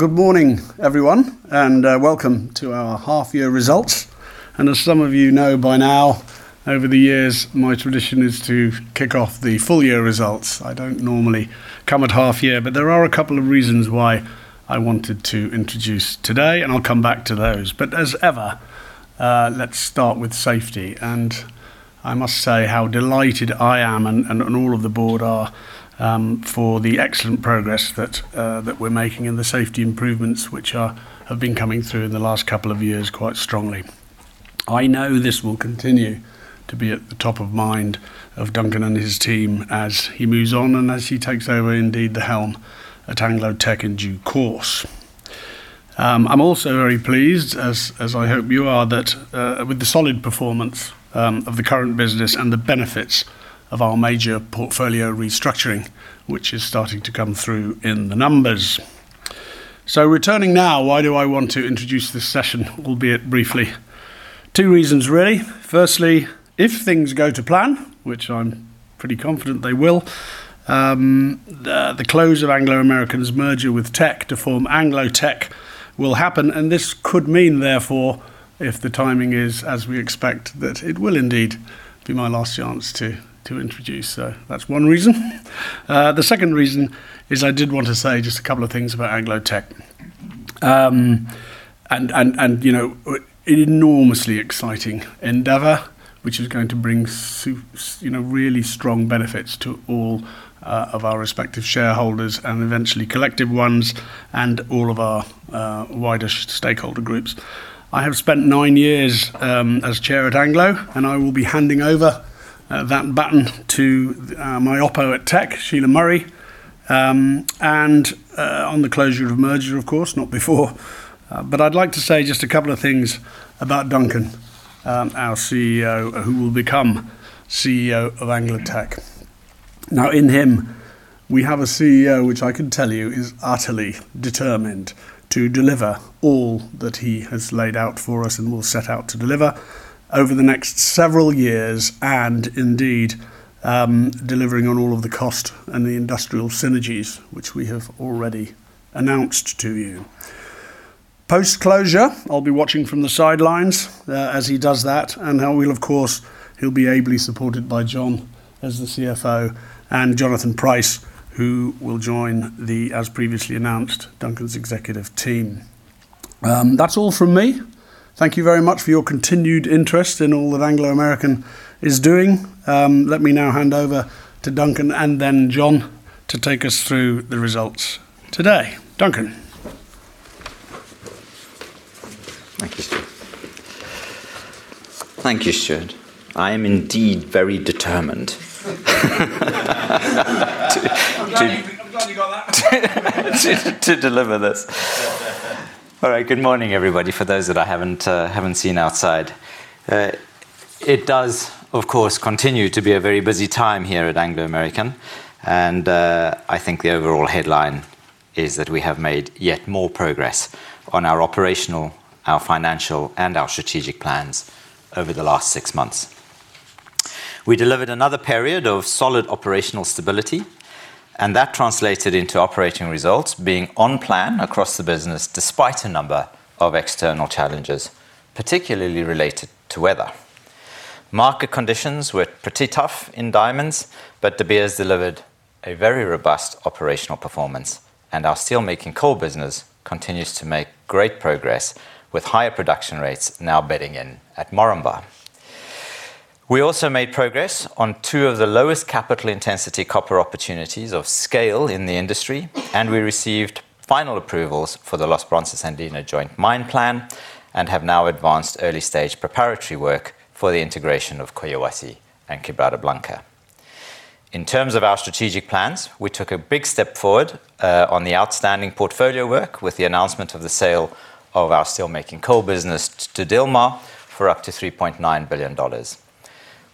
Good morning, everyone, and welcome to our half-year results. As some of you know by now, over the years, my tradition is to kick off the full-year results. I don't normally come at half-year, but there are a couple of reasons why I wanted to introduce today. I'll come back to those. As ever, let's start with safety. I must say how delighted I am, and all of the board are for the excellent progress that we're making and the safety improvements which have been coming through in the last couple of years quite strongly. I know this will continue to be at the top of mind of Duncan and his team as he moves on and as he takes over, indeed the helm at Anglo Teck in due course. I'm also very pleased, as I hope you are, with the solid performance of the current business and the benefits of our major portfolio restructuring, which is starting to come through in the numbers. Returning now, why do I want to introduce this session, albeit briefly? Two reasons, really. Firstly, if things go to plan, which I'm pretty confident they will, the close of Anglo American's merger with Teck to form Anglo Teck will happen. This could mean, therefore, if the timing is as we expect, that it will indeed be my last chance to introduce. That's one reason. The second reason is I did want to say just a couple of things about Anglo Teck. An enormously exciting endeavor, which is going to bring really strong benefits to all of our respective shareholders and eventually collective ones and all of our wider stakeholder groups. I have spent nine years as Chair at Anglo, and I will be handing over that baton to my oppo at Teck, Sheila Murray, on the closure of the merger, of course, not before. I'd like to say just a couple of things about Duncan, our CEO, who will become CEO of Anglo Teck. In him, we have a CEO who I can tell you is utterly determined to deliver all that he has laid out for us and will set out to deliver over the next several years, and indeed, delivering on all of the cost and the industrial synergies which we have already announced to you. Post-closure, I'll be watching from the sidelines as he does that, and of course, he'll be ably supported by John as the CFO and Jonathan Price, who will join, as previously announced, Duncan's executive team. That's all from me. Thank you very much for your continued interest in all that Anglo American is doing. Let me now hand over to Duncan and then John to take us through the results today. Duncan. Thank you, Stuart. I am indeed very determined I'm glad you got that. To deliver this. All right. Good morning, everybody, for those that I haven't seen outside. It does, of course, continue to be a very busy time here at Anglo American. I think the overall headline is that we have made yet more progress on our operational, our financial and our strategic plans over the last six months. We delivered another period of solid operational stability. That translated into operating results being on plan across the business despite a number of external challenges, particularly related to weather. Market conditions were pretty tough in diamonds. De Beers delivered a very robust operational performance. Our steelmaking coal business continues to make great progress with higher production rates now bedding in at Moranbah. We also made progress on two of the lowest capital intensity copper opportunities of scale in the industry. We received final approvals for the Los Bronces Andina joint mine plan and have now advanced early-stage preparatory work for the integration of Collahuasi and Quebrada Blanca. In terms of our strategic plans, we took a big step forward on the outstanding portfolio work with the announcement of the sale of our steelmaking coal business to Dhilmar for up to $3.9 billion.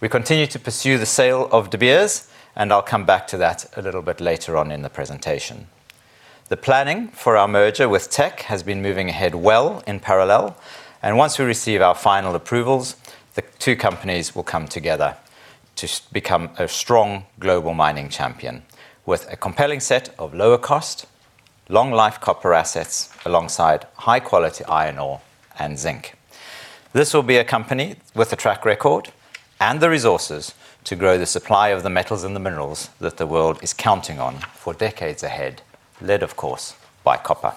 We continue to pursue the sale of De Beers. I'll come back to that a little bit later on in the presentation. The planning for our merger with Teck has been moving ahead well in parallel, and once we receive our final approvals, the two companies will come together to become a strong global mining champion with a compelling set of lower-cost, long-life copper assets alongside high-quality iron ore and zinc. This will be a company with a track record and the resources to grow the supply of the metals and the minerals that the world is counting on for decades ahead, led, of course, by copper.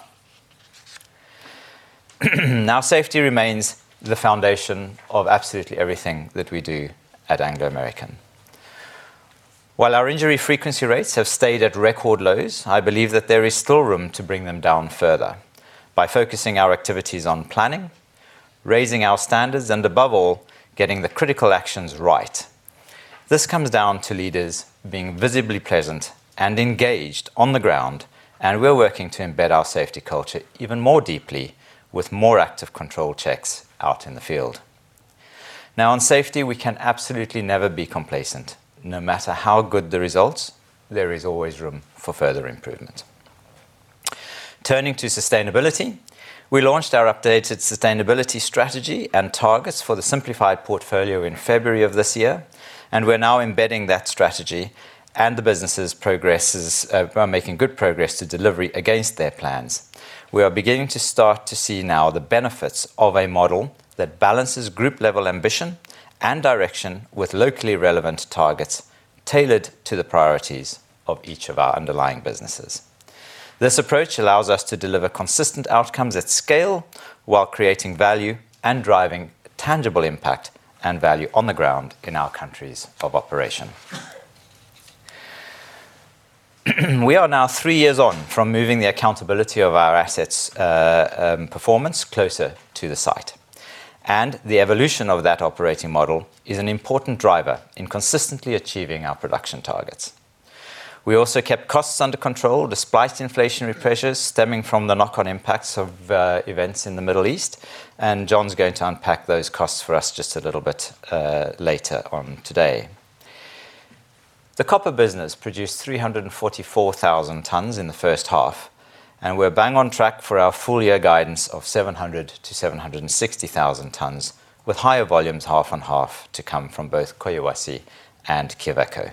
Safety remains the foundation of absolutely everything that we do at Anglo American. While our injury frequency rates have stayed at record lows, I believe that there is still room to bring them down further by focusing our activities on planning, raising our standards, and above all, getting the critical actions right. This comes down to leaders being visibly present and engaged on the ground, we're working to embed our safety culture even more deeply with more active control checks out in the field. On safety, we can absolutely never be complacent. No matter how good the results, there is always room for further improvement. Turning to sustainability, we launched our updated sustainability strategy and targets for the simplified portfolio in February of this year, we are now embedding that strategy, and the businesses are making good progress to delivery against their plans. We are beginning to start to see now the benefits of a model that balances group-level ambition and direction with locally relevant targets tailored to the priorities of each of our underlying businesses. This approach allows us to deliver consistent outcomes at scale while creating value and driving tangible impact and value on the ground in our countries of operation. We are now three years on from moving the accountability of our asset performance closer to the site. The evolution of that operating model is an important driver in consistently achieving our production targets. We also kept costs under control despite inflationary pressures stemming from the knock-on impacts of events in the Middle East, John's going to unpack those costs for us just a little bit later on today. The copper business produced 344,000 tonnes in the first half, we're bang on track for our full-year guidance of 700,000 tonnes -760,000 tonnes, with higher volumes half-on-half to come from both Collahuasi and Quellaveco.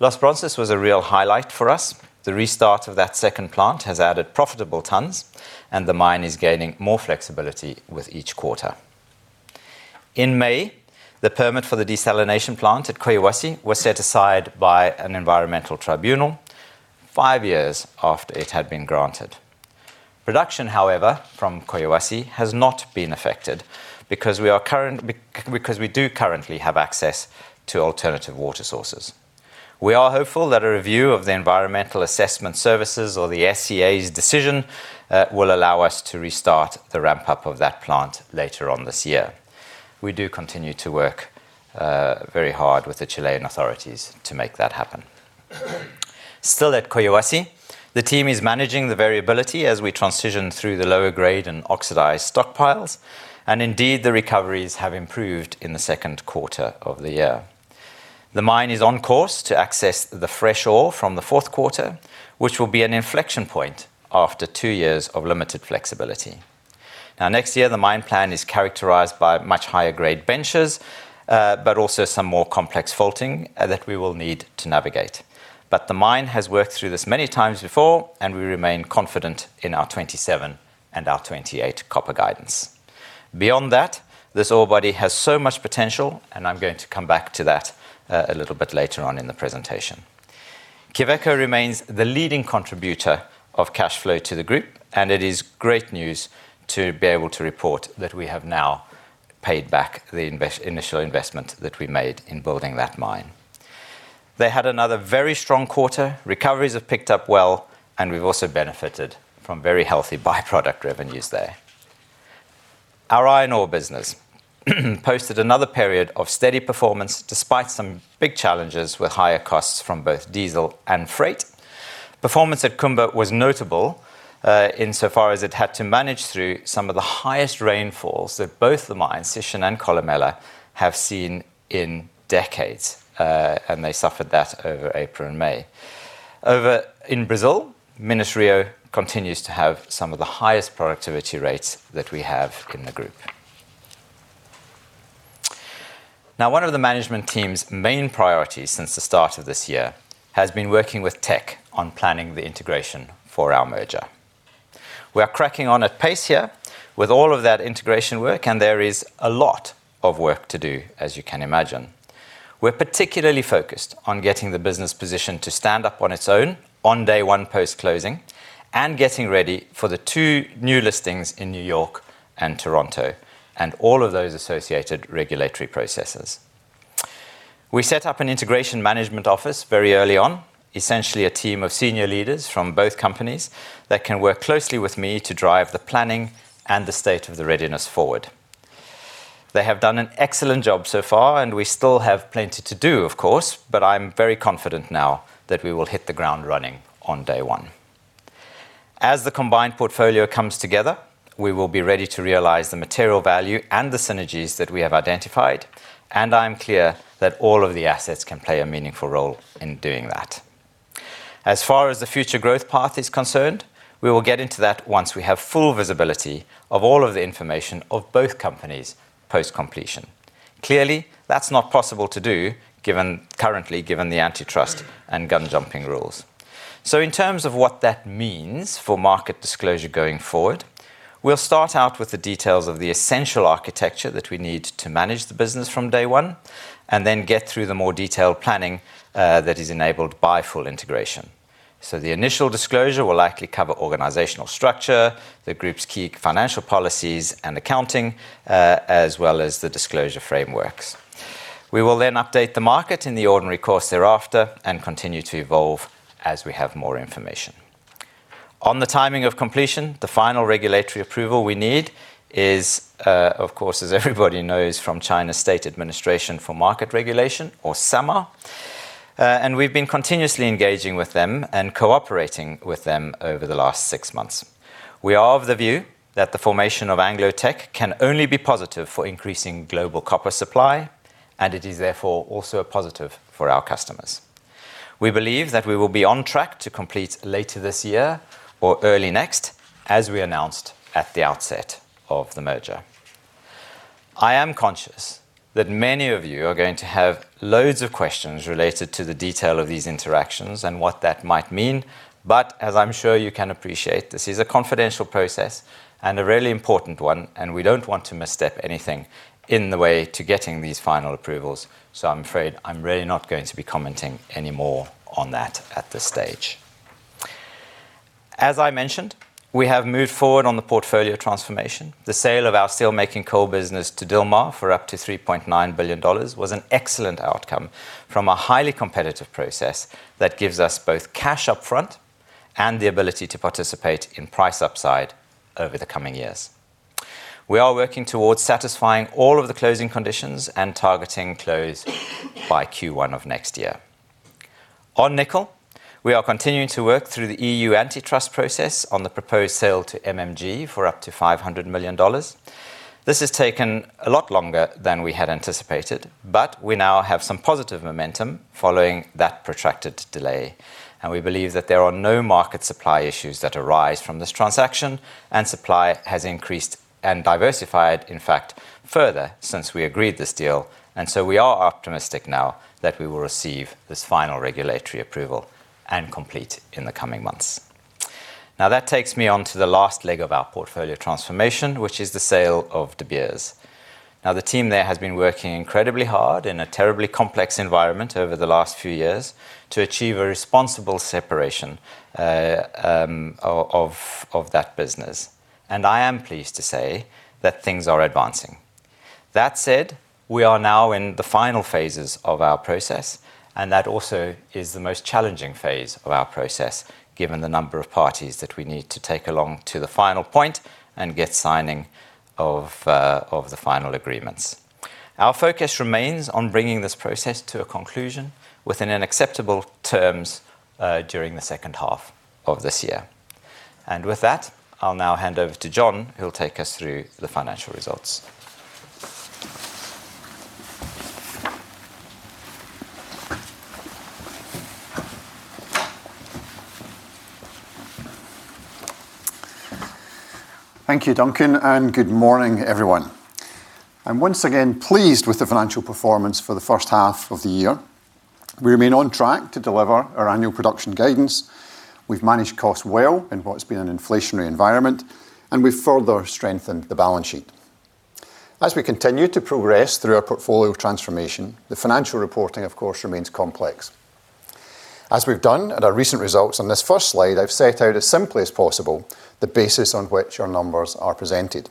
Los Bronces was a real highlight for us. The restart of that second plant has added profitable tonnes, the mine is gaining more flexibility with each quarter. In May, the permit for the desalination plant at Collahuasi was set aside by an environmental tribunal five years after it had been granted. Production, however, from Collahuasi has not been affected because we do currently have access to alternative water sources. We are hopeful that a review of the environmental assessment services or the SEA's decision will allow us to restart the ramp-up of that plant later on this year. We do continue to work very hard with the Chilean authorities to make that happen. Still at Collahuasi, the team is managing the variability as we transition through the lower grade and oxidized stockpiles. Indeed, the recoveries have improved in the second quarter of the year. The mine is on course to access the fresh ore from the fourth quarter, which will be an inflection point after two years of limited flexibility. Next year, the mine plan is characterized by much higher grade benches, but also some more complex faulting that we will need to navigate. The mine has worked through this many times before, and we remain confident in our 2027 and our 2028 copper guidance. Beyond that, this ore body has so much potential, and I'm going to come back to that a little bit later on in the presentation. Quellaveco remains the leading contributor of cash flow to the group, and it is great news to be able to report that we have now paid back the initial investment that we made in building that mine. They had another very strong quarter. Recoveries have picked up well, and we've also benefited from very healthy byproduct revenues there. Our iron ore business posted another period of steady performance despite some big challenges with higher costs from both diesel and freight. Performance at Kumba was notable insofar as it had to manage through some of the highest rainfalls that both the mines, Sishen and Kolomela, have seen in decades, and they suffered that over April and May. Over in Brazil, Minas Rio continues to have some of the highest productivity rates that we have in the group. One of the management team's main priorities since the start of this year has been working with Teck on planning the integration for our merger. We are cracking on at pace here with all of that integration work, and there is a lot of work to do, as you can imagine. We're particularly focused on getting the business positioned to stand up on its own on day one post-closing, and getting ready for the two new listings in New York and Toronto, and all of those associated regulatory processes. We set up an integration management office very early on, essentially a team of senior leaders from both companies that can work closely with me to drive the planning and the state of the readiness forward. They have done an excellent job so far, and we still have plenty to do, of course, but I'm very confident now that we will hit the ground running on day one. As the combined portfolio comes together, we will be ready to realize the material value and the synergies that we have identified, and I'm clear that all of the assets can play a meaningful role in doing that. As far as the future growth path is concerned, we will get into that once we have full visibility of all of the information of both companies post-completion. Clearly, that's not possible to do currently, given the antitrust and gun-jumping rules. In terms of what that means for market disclosure going forward, we'll start out with the details of the essential architecture that we need to manage the business from day one, and then get through the more detailed planning that is enabled by full integration. The initial disclosure will likely cover organizational structure, the group's key financial policies and accounting, as well as the disclosure frameworks. We will update the market in the ordinary course thereafter and continue to evolve as we have more information. On the timing of completion, the final regulatory approval we need is, of course, as everybody knows, from the State Administration for Market Regulation, or SAMR. We've been continuously engaging with them and cooperating with them over the last six months. We are of the view that the formation of Anglo Teck can only be positive for increasing global copper supply. It is therefore also a positive for our customers. We believe that we will be on track to complete later this year or early next, as we announced at the outset of the merger. I am conscious that many of you are going to have loads of questions related to the detail of these interactions and what that might mean. As I'm sure you can appreciate, this is a confidential process and a really important one. We don't want to misstep anything in the way to getting these final approvals. I'm afraid I'm really not going to be commenting any more on that at this stage. As I mentioned, we have moved forward on the portfolio transformation. The sale of our steelmaking coal business to Dhilmar for up to $3.9 billion was an excellent outcome from a highly competitive process that gives us both cash up front and the ability to participate in price upside over the coming years. We are working towards satisfying all of the closing conditions and targeting close by Q1 of next year. On Nickel, we are continuing to work through the EU antitrust process on the proposed sale to MMG for up to $500 million. This has taken a lot longer than we had anticipated. We now have some positive momentum following that protracted delay. We believe that there are no market supply issues that arise from this transaction. Supply has increased and diversified, in fact, further since we agreed this deal. We are optimistic now that we will receive this final regulatory approval and complete in the coming months. That takes me on to the last leg of our portfolio transformation, which is the sale of De Beers. The team there has been working incredibly hard in a terribly complex environment over the last few years to achieve a responsible separation of that business. I am pleased to say that things are advancing. That said, we are now in the final phases of our process. That is also the most challenging phase of our process, given the number of parties that we need to take along to the final point and get the signing of the final agreements. Our focus remains on bringing this process to a conclusion within an acceptable terms during the second half of this year. With that, I'll now hand over to John, who will take us through the financial results. Thank you, Duncan, and good morning, everyone. I'm once again pleased with the financial performance for the first half of the year. We remain on track to deliver our annual production guidance. We've managed costs well in what's been an inflationary environment, and we've further strengthened the balance sheet. As we continue to progress through our portfolio transformation, the financial reportin,g of course, remains complex. As we've done at our recent results, on this first slide, I've set out as simply as possible the basis on which our numbers are presented.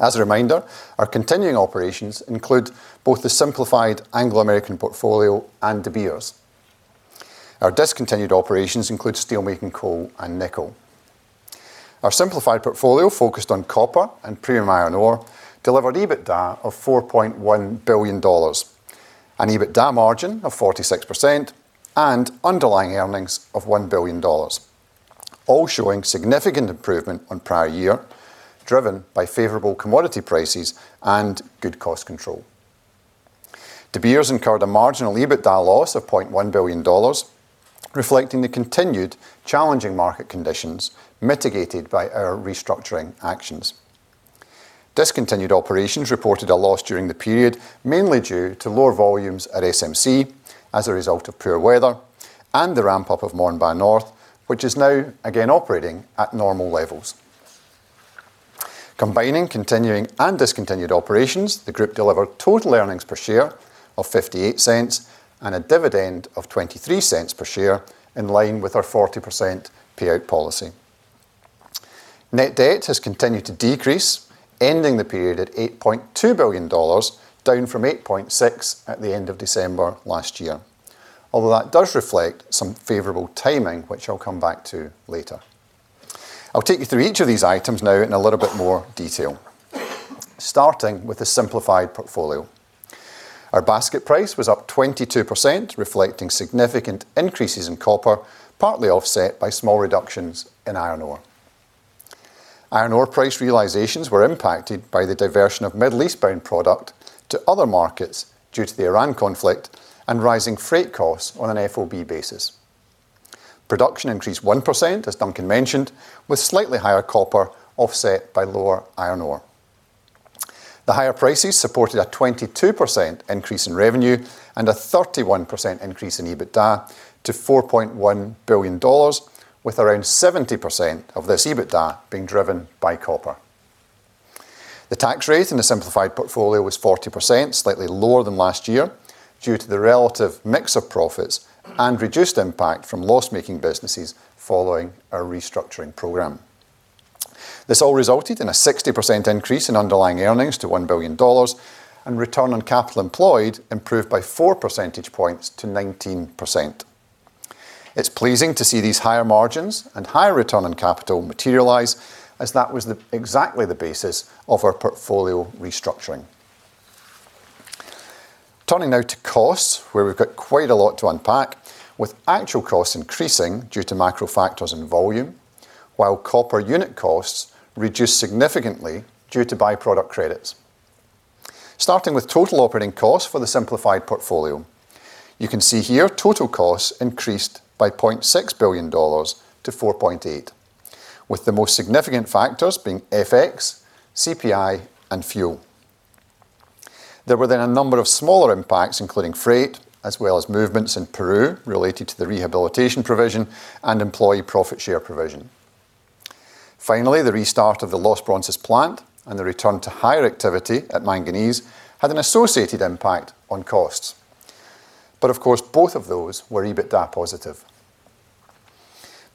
As a reminder, our continuing operations include both the simplified Anglo American portfolio and De Beers. Our discontinued operations include steelmaking coal and nickel. Our simplified portfolio focused on copper and premium iron ore delivered EBITDA of $4.1 billion, an EBITDA margin of 46% and underlying earnings of $1 billion, all showing significant improvement on prior year, driven by favorable commodity prices and good cost control. De Beers incurred a marginal EBITDA loss of $0.1 billion, reflecting the continued challenging market conditions mitigated by our restructuring actions. Discontinued operations reported a loss during the period, mainly due to lower volumes at SMC as a result of poor weather and the ramp-up of Moranbah North, which is now again operating at normal levels. Combining continuing and discontinued operations, the group delivered total earnings per share of $0.58 and a dividend of $0.23 per share, in line with our 40% payout policy. Net debt has continued to decrease, ending the period at $8.2 billion, down from $8.6 billion at the end of December last year. That does reflect some favorable timing, which I'll come back to later. I'll take you through each of these items now in a little bit more detail. Starting with the simplified portfolio. Our basket price was up 22%, reflecting significant increases in copper, partly offset by small reductions in iron ore. Iron ore price realizations were impacted by the diversion of Middle East-bound product to other markets due to the Iran conflict and rising freight costs on an FOB basis. Production increased 1%, as Duncan mentioned, with slightly higher copper offset by lower iron ore. The higher prices supported a 22% increase in revenue and a 31% increase in EBITDA to $4.1 billion, with around 70% of this EBITDA being driven by copper. The tax rate in the simplified portfolio was 40%, slightly lower than last year due to the relative mix of profits and reduced impact from loss-making businesses following our restructuring program. This all resulted in a 60% increase in underlying earnings to $1 billion, and return on capital employed improved by 4 percentage points to 19%. It's pleasing to see these higher margins and higher return on capital materialize, as that was exactly the basis of our portfolio restructuring. Turning now to costs, where we've got quite a lot to unpack. With actual costs increased due to macro factors and volume. While copper unit costs reduced significantly due to by-product credits. Starting with total operating costs for the simplified portfolio. You can see here total costs increased by $0.6 billion to $4.8 billion, with the most significant factors being FX, CPI, and fuel. There were then a number of smaller impacts, including freight, as well as movements in Peru related to the rehabilitation provision and employee profit share provision. Finally, the restart of the Los Bronces plant and the return to higher activity at Manganese had an associated impact on costs. Of course, both of those were EBITDA-positive.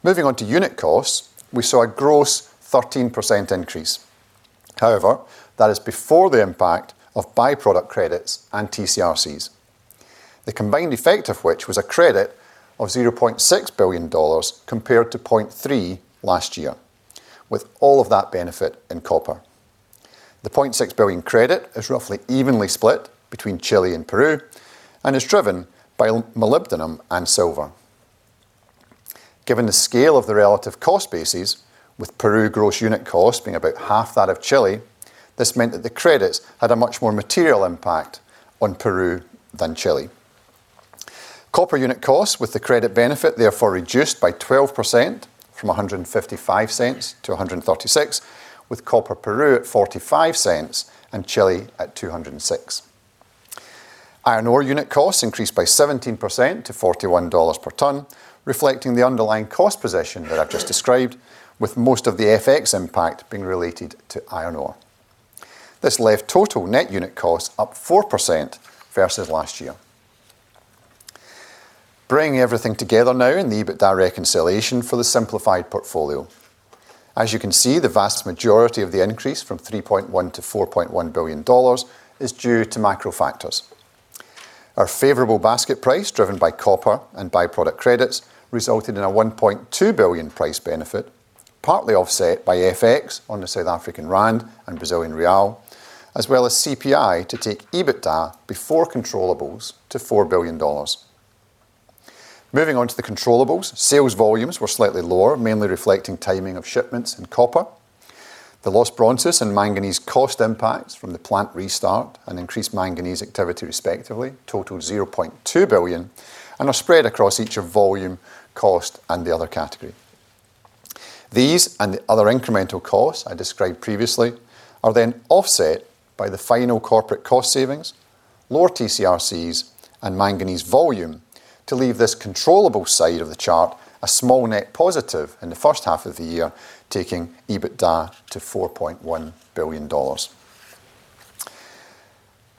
Moving on to unit costs, we saw a gross 13% increase. However, that is before the impact of by-product credits and TC/RCs. The combined effect of which was a credit of $0.6 billion compared to $0.3 billion last year, with all of that benefit in copper. The $0.6 billion credit is roughly evenly split between Chile and Peru and is driven by molybdenum and silver. Given the scale of the relative cost bases, with Peru's gross unit cost being about half that of Chile, this meant that the credits had a much more material impact on Peru than Chile. Copper unit costs with the credit benefit therefore reduced by 12% from $1.55 to $1.36, with copper Peru at $0.45 and Chile at $2.06. Iron ore unit costs increased by 17% to $41 per ton, reflecting the underlying cost position that I've just described, with most of the FX impact being related to iron ore. This left total net unit costs up 4% versus last year. Bringing everything together now in the EBITDA reconciliation for the simplified portfolio. As you can see, the vast majority of the increase from $3.1 billion to $4.1 billion is due to macro factors. Our favorable basket price, driven by copper and by-product credits, resulted in a $1.2 billion price benefit, partly offset by FX on the South African rand and Brazilian real, as well as CPI, to take EBITDA before controllables to $4 billion. Moving on to the controllables, sales volumes were slightly lower, mainly reflecting timing of shipments in copper. The Los Bronces and Manganese cost impacts from the plant restart and increased Manganese activity respectively, totaled $0.2 billion and are spread across each of volume, cost, and the other category. These and the other incremental costs I described previously are offset by the final corporate cost savings, lower TC/RCs, and Manganese volume to leave this controllable side of the chart a small net positive in the first half of the year, taking EBITDA to $4.1 billion.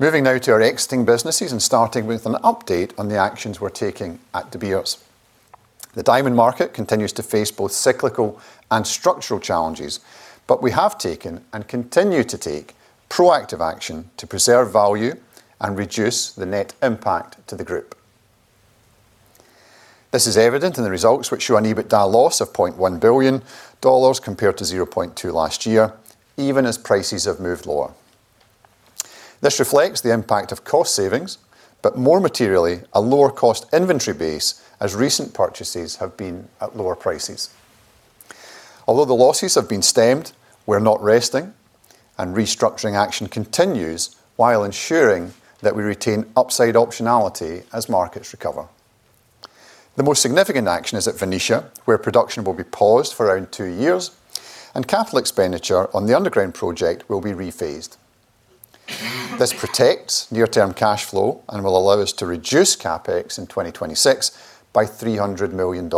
Moving now to our exiting businesses and starting with an update on the actions we're taking at De Beers. The diamond market continues to face both cyclical and structural challenges. We have taken and continue to take proactive action to preserve value and reduce the net impact to the group. This is evident in the results, which show an EBITDA loss of $0.1 billion compared to $0.2 billion last year, even as prices have moved lower. This reflects the impact of cost savings. More materially, a lower-cost inventory base as recent purchases have been at lower prices. Although the losses have been stemmed, we're not resting and restructuring action continues while ensuring that we retain upside optionality as markets recover. The most significant action is at Venetia, where production will be paused for around two years, and capital expenditure on the underground project will be rephased. This protects near-term cash flow and will allow us to reduce CapEx in 2026 by $300 million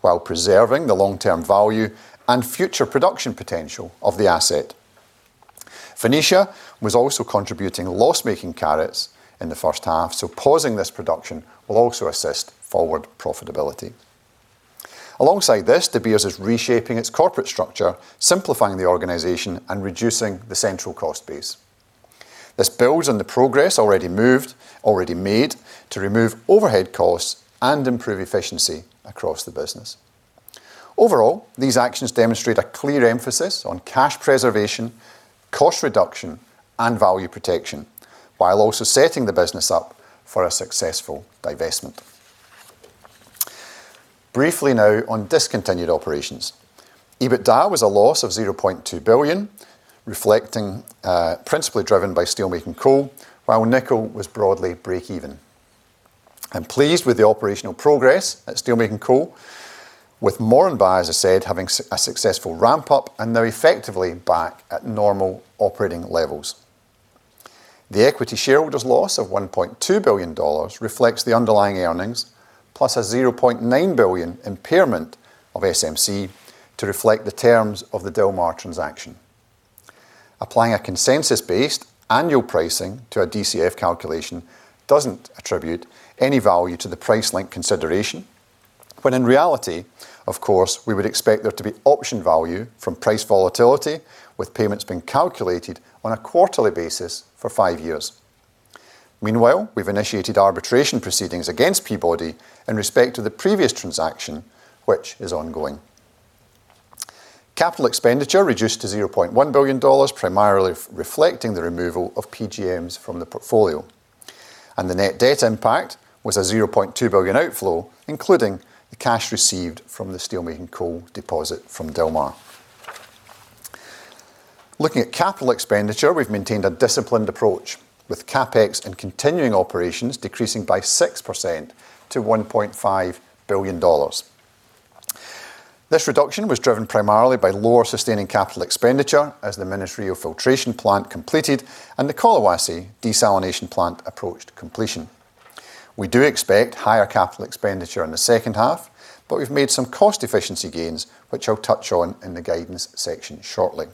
while preserving the long-term value and future production potential of the asset. Venetia was also contributing loss-making carats in the first half, so pausing this production will also assist forward profitability. Alongside this, De Beers is reshaping its corporate structure, simplifying the organization, and reducing the central cost base. This builds on the progress already made to remove overhead costs and improve efficiency across the business. Overall, these actions demonstrate a clear emphasis on cash preservation, cost reduction, and value protection, while also setting the business up for a successful divestment. Briefly now on discontinued operations. EBITDA was a loss of $0.2 billion, principally driven by steelmaking coal, while nickel was broadly breakeven. I'm pleased with the operational progress at steelmaking coal, with Moranbah, as I said, having a successful ramp-up and now effectively back at normal operating levels. The equity shareholders' loss of $1.2 billion reflects the underlying earnings, plus a $0.9 billion impairment of SMC to reflect the terms of the Dhilmar transaction. Applying a consensus-based annual pricing to a DCF calculation doesn't attribute any value to the price-link consideration, when in reality, of course, we would expect there to be option value from price volatility, with payments being calculated on a quarterly basis for five years. Meanwhile, we've initiated arbitration proceedings against Peabody in respect to the previous transaction, which is ongoing. Capital expenditure reduced to $0.1 billion, primarily reflecting the removal of PGMs from the portfolio. The net debt impact was a $0.2 billion outflow, including the cash received from the steelmaking coal deposit from Dhilmar. Looking at capital expenditure, we've maintained a disciplined approach with CapEx and continuing operations decreasing by 6% to $1.5 billion. This reduction was driven primarily by lower sustaining capital expenditure as the Minas Rio filtration plant completed and the Collahuasi desalination plant approached completion. We do expect higher capital expenditure in the second half, but we've made some cost efficiency gains, which I'll touch on in the guidance section shortly.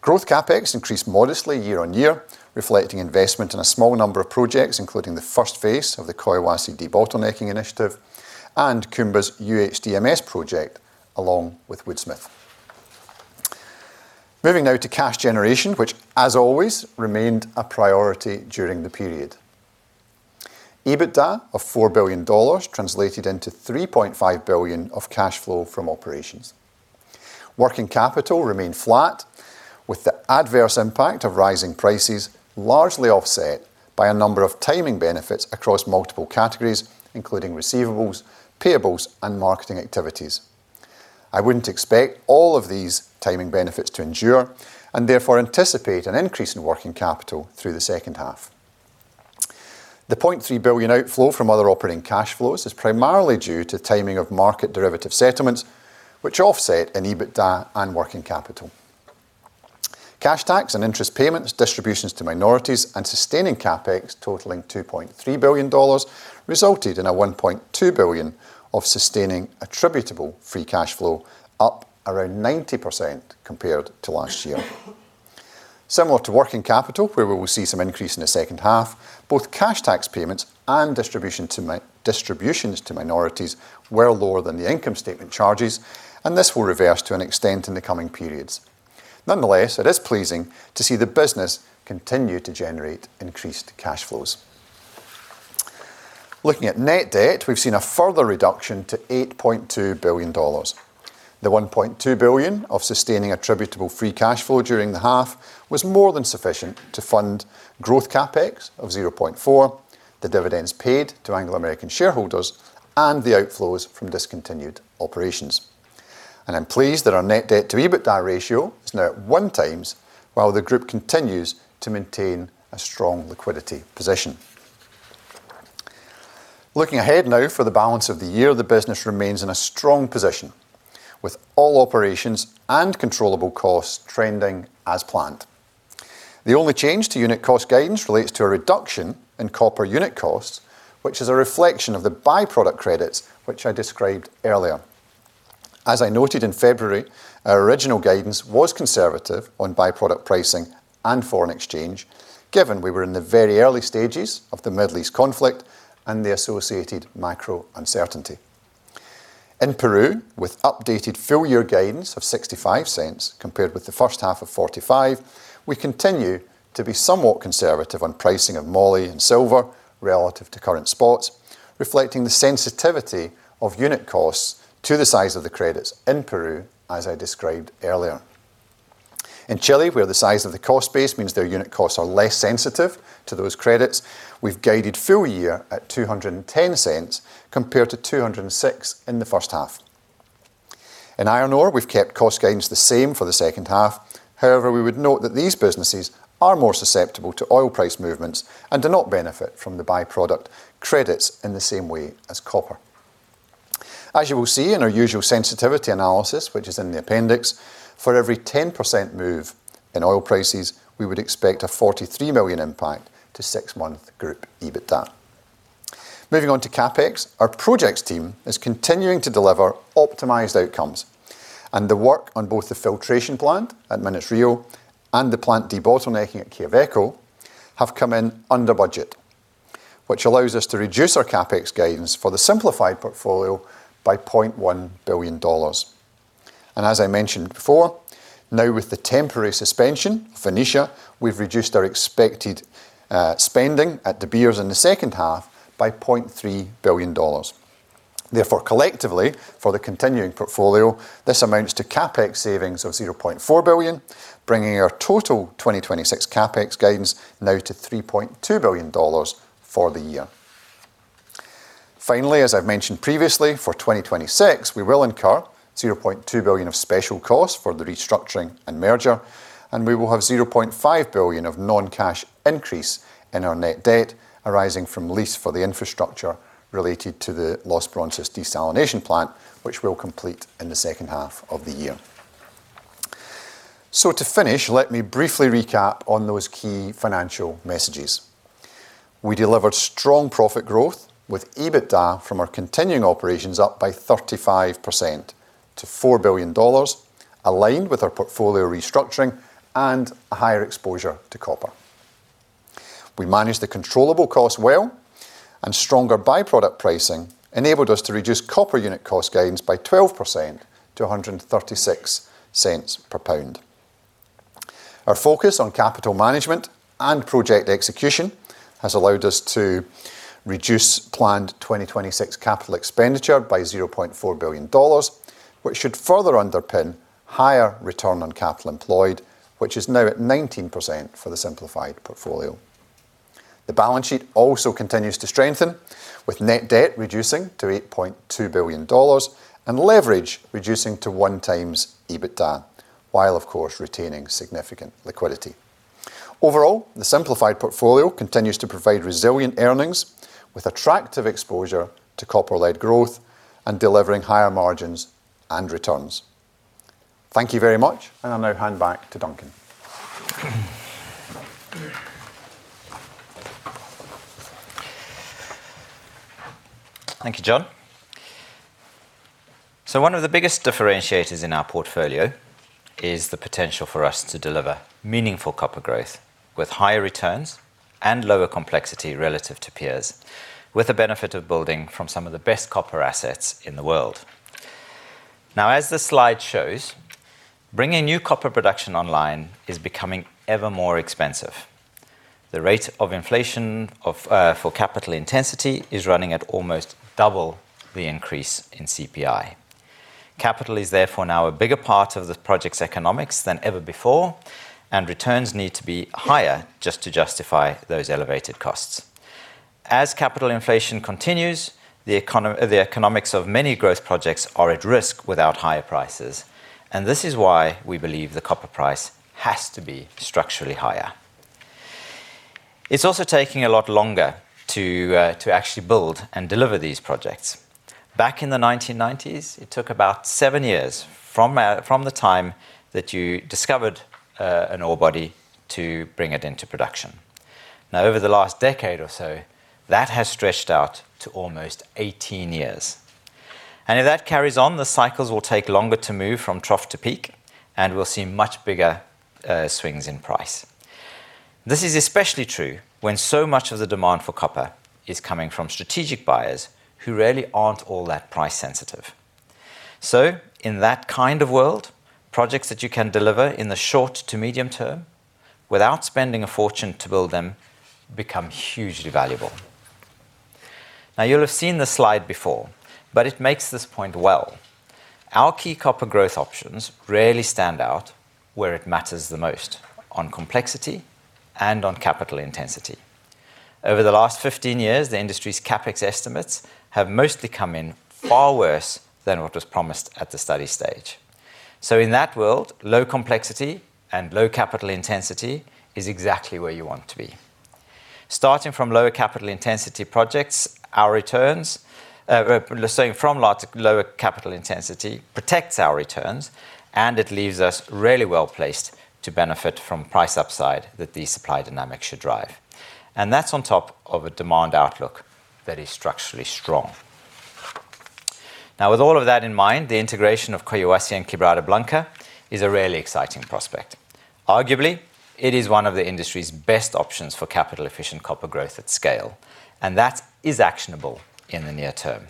Growth CapEx increased modestly year on year, reflecting investment in a small number of projects, including the first phase of the Collahuasi debottlenecking initiative and Kumba's UHDMS project along with Woodsmith. Moving now to cash generation, which as always remained a priority during the period. EBITDA of $4 billion translated into $3.5 billion of cash flow from operations. Working capital remained flat, with the adverse impact of rising prices largely offset by a number of timing benefits across multiple categories, including receivables, payables, and marketing activities. I wouldn't expect all of these timing benefits to endure and therefore anticipate an increase in working capital through the second half. The $0.3 billion outflow from other operating cash flows is primarily due to the timing of market derivative settlements, which offset in EBITDA and working capital. Cash tax and interest payments, distributions to minorities, and sustaining CapEx totaling $2.3 billion resulted in a $1.2 billion of sustaining attributable free cash flow, up around 90% compared to last year. Similar to working capital, where we will see some increase in the second half, both cash tax payments and distributions to minorities were lower than the income statement charges, and this will reverse to an extent in the coming periods. Nonetheless, it is pleasing to see the business continue to generate increased cash flows. Looking at net debt, we've seen a further reduction to $8.2 billion. The $1.2 billion of sustaining attributable free cash flow during the half was more than sufficient to fund growth CapEx of $0.4, the dividends paid to Anglo American shareholders, and the outflows from discontinued operations. I'm pleased that our net debt-to-EBITDA ratio is now at 1x while the group continues to maintain a strong liquidity position. Looking ahead now for the balance of the year, the business remains in a strong position with all operations and controllable costs trending as planned. The only change to unit cost guidance relates to a reduction in copper unit costs, which is a reflection of the byproduct credits which I described earlier. As I noted in February, our original guidance was conservative on byproduct pricing and foreign exchange, given we were in the very early stages of the Middle East conflict and the associated macro uncertainty. In Peru, with updated full-year gains of $0.65 compared with the first half of $0.45, we continue to be somewhat conservative on pricing of moly and silver relative to current spots, reflecting the sensitivity of unit costs to the size of the credits in Peru as I described earlier. In Chile, where the size of the cost base means their unit costs are less sensitive to those credits, we've guided full-year at $0.210 compared to $0.206 in the first half. In iron ore, we've kept cost gains the same for the second half. However, we would note that these businesses are more susceptible to oil price movements and do not benefit from the byproduct credits in the same way as copper. As you will see in our usual sensitivity analysis, which is in the appendix, for every 10% move in oil prices, we would expect a $43 million impact to six-month group EBITDA. Moving on to CapEx, our projects team is continuing to deliver optimized outcomes, and the work on both the filtration plant at Minas Rio and the plant debottlenecking at Quellaveco have come in under budget. Which allows us to reduce our CapEx guidance for the simplified portfolio by $0.1 billion. As I mentioned before, now with the temporary suspension of Venetia, we've reduced our expected spending at De Beers in the second half by $0.3 billion. Therefore, collectively, for the continuing portfolio, this amounts to CapEx savings of $0.4 billion, bringing our total 2026 CapEx guidance now to $3.2 billion for the year. Finally, as I've mentioned previously, for 2026, we will incur $0.2 billion of special costs for the restructuring and merger, and we will have $0.5 billion of non-cash increase in our net debt arising from a lease for the infrastructure related to the Los Bronces desalination plant, which we'll complete in the second half of the year. To finish, let me briefly recap on those key financial messages. We delivered strong profit growth with EBITDA from our continuing operations up by 35% to $4 billion, aligned with our portfolio restructuring and a higher exposure to copper. We managed the controllable costs well, and stronger byproduct pricing enabled us to reduce copper unit cost gains by 12% to $0.136 per pound. Our focus on capital management and project execution has allowed us to reduce planned 2026 capital expenditure by $0.4 billion, which should further underpin higher return on capital employed, which is now at 19% for the simplified portfolio. The balance sheet also continues to strengthen, with net debt reducing to $8.2 billion and leverage reducing to 1x EBITDA, while of course retaining significant liquidity. Overall, the simplified portfolio continues to provide resilient earnings with attractive exposure to copper-led growth and delivering higher margins and returns. Thank you very much. I'll now hand back to Duncan. Thank you, John. One of the biggest differentiators in our portfolio is the potential for us to deliver meaningful copper growth with higher returns and lower complexity relative to peers, with the benefit of building from some of the best copper assets in the world. As this slide shows, bringing new copper production online is becoming ever more expensive. The rate of inflation for capital intensity is running at almost double the increase in CPI. Capital is therefore now a bigger part of the project's economics than ever before. Returns need to be higher just to justify those elevated costs. As capital inflation continues, the economics of many growth projects are at risk without higher prices. This is why we believe the copper price has to be structurally higher. It's also taking a lot longer to actually build and deliver these projects. Back in the 1990s, it took about seven years from the time that you discovered an ore body to bring it into production. Over the last decade or so, that has stretched out to almost 18 years. If that carries on, the cycles will take longer to move from trough to peak. We'll see much bigger swings in price. This is especially true when so much of the demand for copper is coming from strategic buyers who really aren't all that price-sensitive. In that kind of world, projects that you can deliver in the short to medium term without spending a fortune to build them become hugely valuable. You'll have seen this slide before. It makes this point well. Our key copper growth options really stand out where it matters the most, on complexity and on capital intensity. Over the last 15 years, the industry's CapEx estimates have mostly come in far worse than what was promised at the study stage. In that world, low complexity and low capital intensity is exactly where you want to be. Starting from lower capital intensity protects our returns. It leaves us really well-placed to benefit from price upside that these supply dynamics should drive. That's on top of a demand outlook that is structurally strong. With all of that in mind, the integration of Collahuasi and Quebrada Blanca is a really exciting prospect. Arguably, it is one of the industry's best options for capital-efficient copper growth at scale. That is actionable in the near term.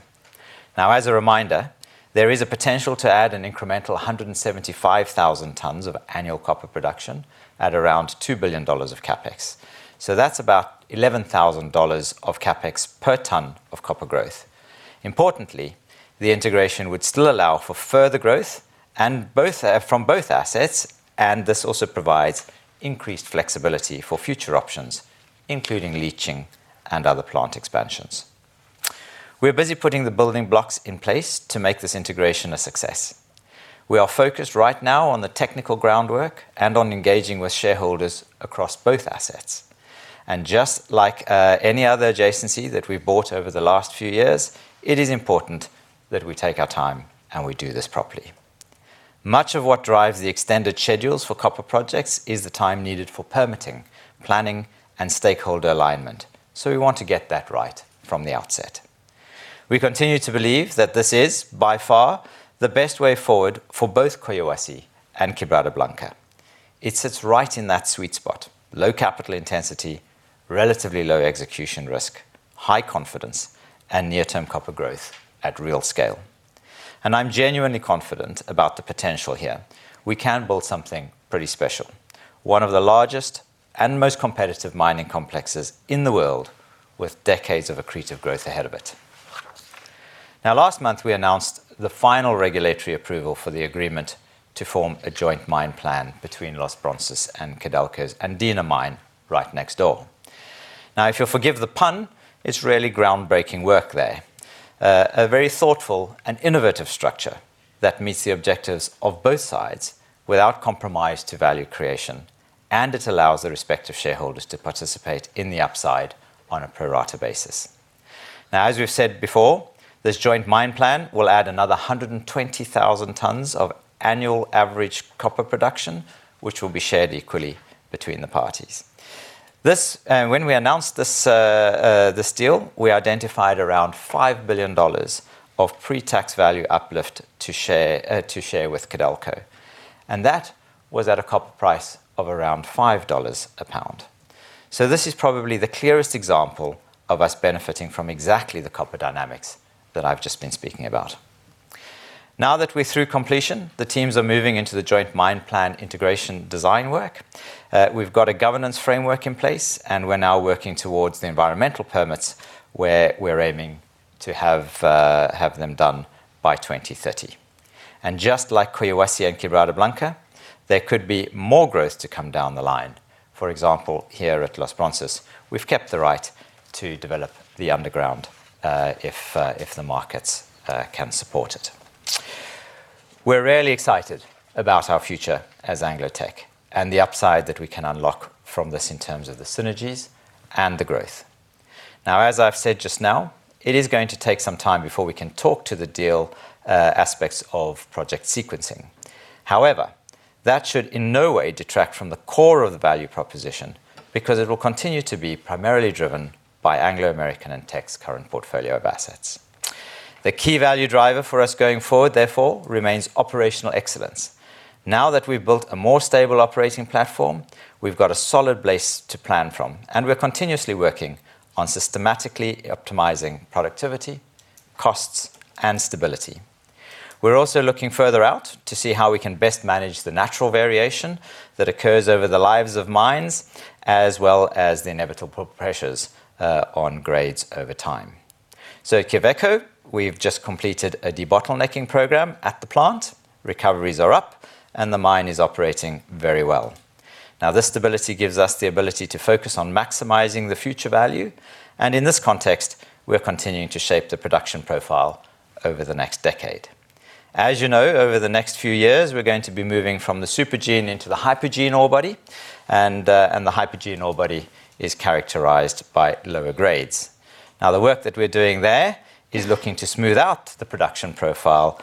As a reminder, there is a potential to add an incremental 175,000 tons of annual copper production at around $2 billion of CapEx. That's about $11,000 of CapEx per ton of copper growth. Importantly, the integration would still allow for further growth from both assets, and this also provides increased flexibility for future options, including leaching and other plant expansions. We are busy putting the building blocks in place to make this integration a success. We are focused right now on the technical groundwork and on engaging with shareholders across both assets. Just like any other adjacency that we've bought over the last few years, it is important that we take our time and we do this properly. Much of what drives the extended schedules for copper projects is the time needed for permitting, planning, and stakeholder alignment. We want to get that right from the outset. We continue to believe that this is, by far, the best way forward for both Collahuasi and Quebrada Blanca. It sits right in that sweet spot: low capital intensity, relatively low execution risk, high confidence, and near-term copper growth at real scale. I'm genuinely confident about the potential here. We can build something pretty special. One of the largest and most competitive mining complexes in the world with decades of accretive growth ahead of it. Last month, we announced the final regulatory approval for the agreement to form a joint mine plan between Los Bronces and Codelco's Andina mine right next door. If you'll forgive the pun, it's really groundbreaking work there. A very thoughtful and innovative structure that meets the objectives of both sides without compromise to value creation, and it allows the respective shareholders to participate in the upside on a pro rata basis. As we've said before, this joint mine plan will add another 120,000 tons of annual average copper production, which will be shared equally between the parties. When we announced this deal, we identified around $5 billion of pre-tax value uplift to share with Codelco, and that was at a copper price of around $5 a pound. This is probably the clearest example of us benefiting from exactly the copper dynamics that I've just been speaking about. Now that we're through completion, the teams are moving into the joint mine plan integration design work. We've got a governance framework in place, and we're now working towards the environmental permits, where we're aiming to have them done by 2030. Just like Quellaveco and Quebrada Blanca, there could be more growth to come down the line. For example, here at Los Bronces, we've kept the right to develop the underground if the markets can support it. We're really excited about our future as Anglo Teck and the upside that we can unlock from this in terms of the synergies and the growth. As I've said just now, it is going to take some time before we can talk to the deal aspects of project sequencing. However, that should in no way detract from the core of the value proposition because it will continue to be primarily driven by Anglo American and Teck's current portfolio of assets. The key value driver for us going forward, therefore, remains operational excellence. Now that we've built a more stable operating platform, we've got a solid place to plan from, and we're continuously working on systematically optimizing productivity, costs, and stability. We're also looking further out to see how we can best manage the natural variation that occurs over the lives of mines, as well as the inevitable pressures on grades over time. At Quellaveco, we've just completed a debottlenecking program at the plant. Recoveries are up, and the mine is operating very well. This stability gives us the ability to focus on maximizing the future value. In this context, we're continuing to shape the production profile over the next decade. As you know, over the next few years, we're going to be moving from the Supergene into the Hypogene ore body, and the Hypogene ore body is characterized by lower grades. The work that we're doing there is looking to smooth out the production profile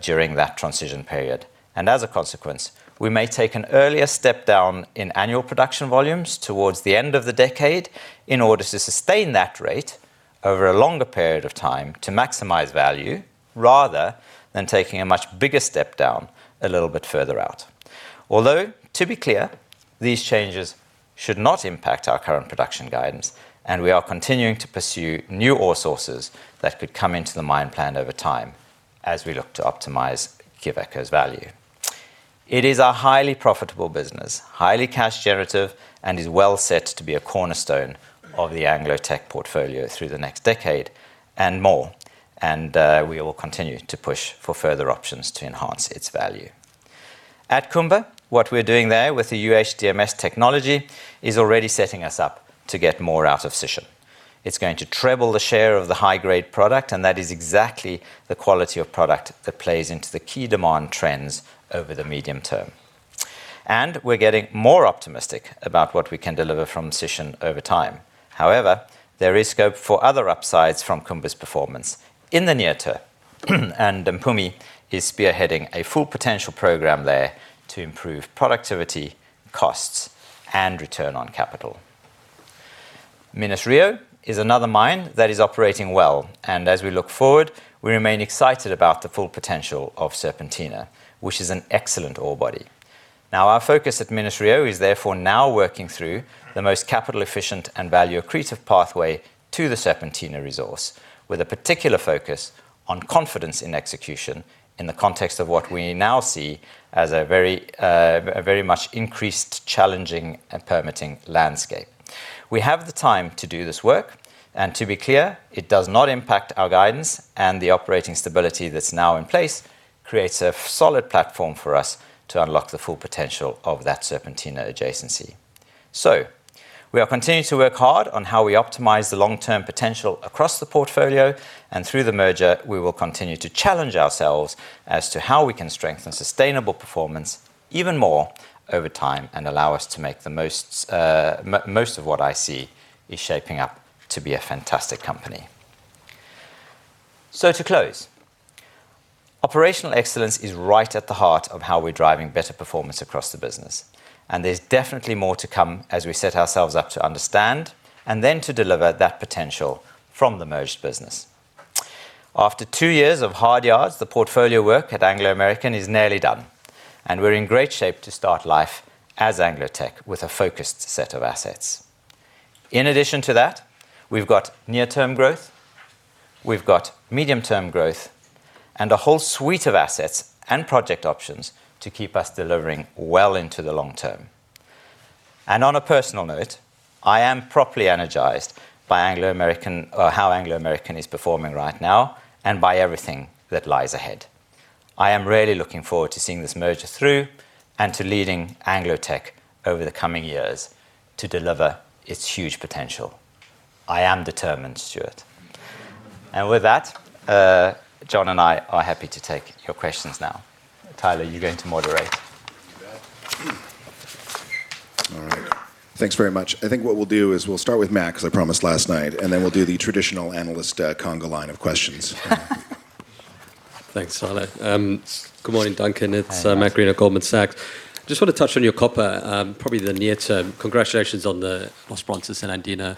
during that transition period. As a consequence, we may take an earlier step down in annual production volumes towards the end of the decade in order to sustain that rate over a longer period of time to maximize value, rather than taking a much bigger step down a little bit further out. To be clear, these changes should not impact our current production guidance, and we are continuing to pursue new ore sources that could come into the mine plan over time as we look to optimize Quellaveco's value. It is a highly profitable business, highly cash-generative, and is well set to be a cornerstone of the Anglo Teck portfolio through the next decade and more, and we will continue to push for further options to enhance its value. At Kumba, what we're doing there with the UHDMS technology is already setting us up to get more out of Sishen. It's going to treble the share of the high-grade product, that is exactly the quality of product that plays into the key demand trends over the medium term. We're getting more optimistic about what we can deliver from Sishen over time. However, there is scope for other upsides from Kumba's performance in the near term, Mpumi is spearheading a full-potential program there to improve productivity, costs, and return on capital. Minas Rio is another mine that is operating well. As we look forward, we remain excited about the full potential of Serpentina, which is an excellent ore body. Our focus at Minas Rio is therefore now working through the most capital-efficient and value-accretive pathway to the Serpentina resource, with a particular focus on confidence in execution in the context of what we now see as a very much increased challenging and permitting landscape. We have the time to do this work, and to be clear, it does not impact our guidance, the operating stability that's now in place creates a solid platform for us to unlock the full potential of that Serpentina adjacency. We are continuing to work hard on how we optimize the long-term potential across the portfolio. Through the merger, we will continue to challenge ourselves as to how we can strengthen sustainable performance even more over time and allow us to make the most of what I see is shaping up to be a fantastic company. To close, operational excellence is right at the heart of how we're driving better performance across the business, and there's definitely more to come as we set ourselves up to understand and then to deliver that potential from the merged business. After two years of hard yards, the portfolio work at Anglo American is nearly done, and we're in great shape to start life as Anglo Teck with a focused set of assets. In addition to that, we've got near-term growth, we've got medium-term growth, and a whole suite of assets and project options to keep us delivering well into the long term. On a personal note, I am properly energized by how Anglo American is performing right now and by everything that lies ahead. I am really looking forward to seeing this merger through and to leading Anglo Teck over the coming years to deliver its huge potential. I am determined, Stuart. With that, John and I are happy to take your questions now. Tyler, you're going to moderate. You bet. All right. Thanks very much. I think what we'll do is we'll start with Matt because I promised last night, and then we'll do the traditional analyst conga line of questions. Thanks, Tyler. Good morning, Duncan. Hi, Matt. It's Matt Greene at Goldman Sachs. Just want to touch on your copper, probably the near term. Congratulations on the Los Bronces and Andina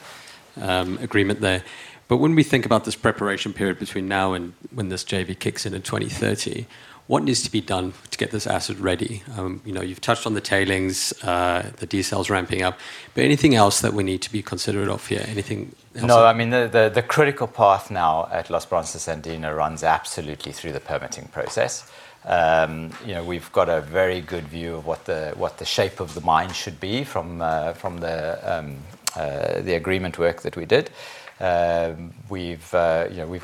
Agreement there. When we think about this preparation period between now and when this JV kicks in 2030, what needs to be done to get this asset ready? You've touched on the tailings, the desal ramping up, but anything else that we need to be considerate of here? Anything else? The critical path now at Los Bronces Andina runs absolutely through the permitting process. We've got a very good view of what the shape of the mine should be from the agreement work that we did. We've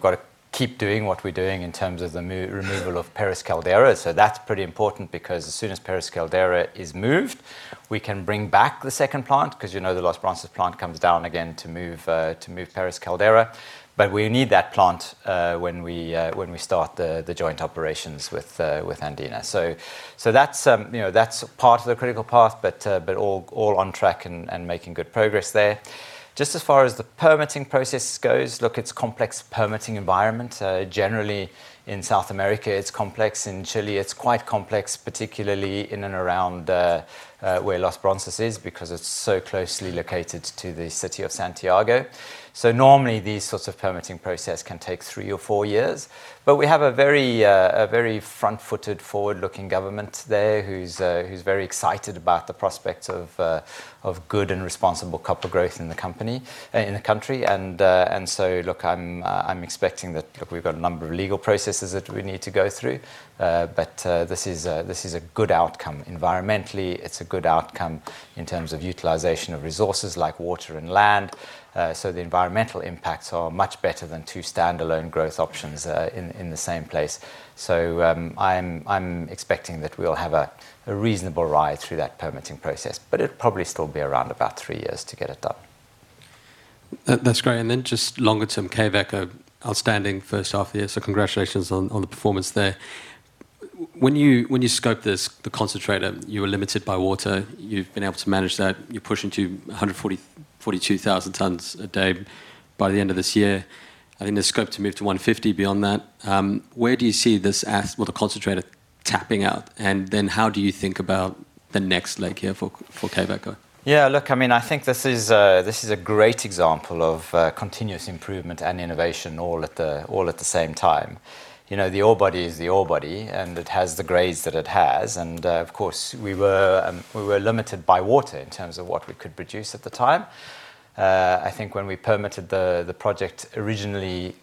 got to keep doing what we're doing in terms of the removal of Pérez Caldera. That's pretty important because as soon as Pérez Caldera is moved, we can bring back the second plant because, you know, the Los Bronces plant comes down again to move Pérez Caldera. We need that plant when we start the joint operations with Andina. That's part of the critical path, but all on track and making good progress there. As far as the permitting process goes, look, it's a complex permitting environment. Generally, in South America, it's complex. In Chile, it's quite complex, particularly in and around where Los Bronces is because it's so closely located to the city of Santiago. Normally, these sorts of permitting processes can take three or four years. We have a very front-footed, forward-looking government there who's very excited about the prospects of good and responsible copper growth in the country. Look, I'm expecting that, look, we've got a number of legal processes that we need to go through. This is a good outcome environmentally. It's a good outcome in terms of utilization of resources like water and land. The environmental impacts are much better than two standalone growth options in the same place. I'm expecting that we'll have a reasonable ride through that permitting process, but it'll probably still be around about three years to get it done. That's great. Just longer term, Quellaveco, outstanding first half of the year, congratulations on the performance there. When you scoped this, the concentrator, you were limited by water. You've been able to manage that. You're pushing to 142,000 tons a day by the end of this year. I think there's scope to move to 150,000 tons beyond that. Where do you see this, well, the concentrator tapping out, and then how do you think about the next leg here for Quellaveco? Look, I think this is a great example of continuous improvement and innovation all at the same time. The ore body is the ore body; it has the grades that it has. Of course, we were limited by water in terms of what we could produce at the time. I think when we permitted the project originally,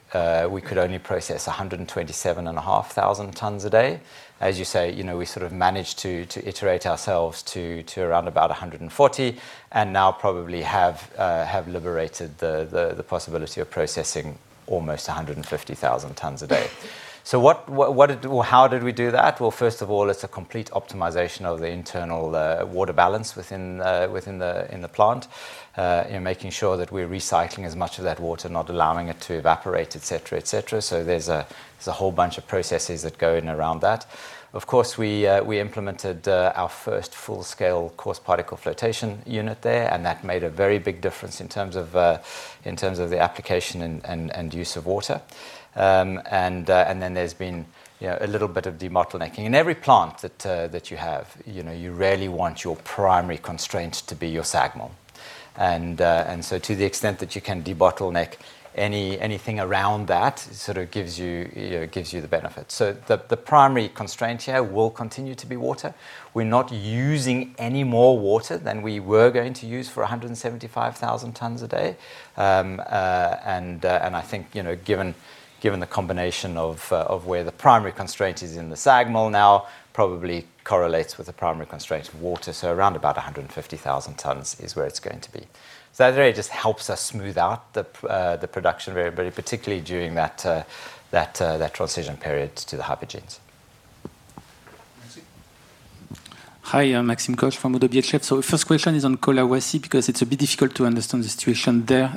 we could only process 127,500 tons a day. As you say, we sort of managed to iterate ourselves to around about 140,000, and now probably have liberated the possibility of processing almost 150,000 tons a day. How did we do that? Well, first of all, it's a complete optimization of the internal water balance within the plant. Making sure that we're recycling as much of that water, not allowing it to evaporate, et cetera. There's a whole bunch of processes that go in around that. We implemented our first full-scale coarse particle flotation unit there, that made a very big difference in terms of the application and use of water. There's been a little bit of debottlenecking. In every plant that you have, you rarely want your primary constraint to be your SAG mill. To the extent that you can debottleneck anything around that, it sort of gives you the benefit. The primary constraint here will continue to be water. We're not using any more water than we were going to use for 175,000 tons a day. I think, given the combination of where the primary constraint is in the SAG mill now probably correlates with the primary constraint of water. Around about 150,000 tons is where it's going to be. That really just helps us smooth out the production variable, particularly during that transition period to the Hypogenes. Maxime. Hi, Maxime Kogge from ODDO BHF. First question is on Collahuasi. Because it's a bit difficult to understand the situation there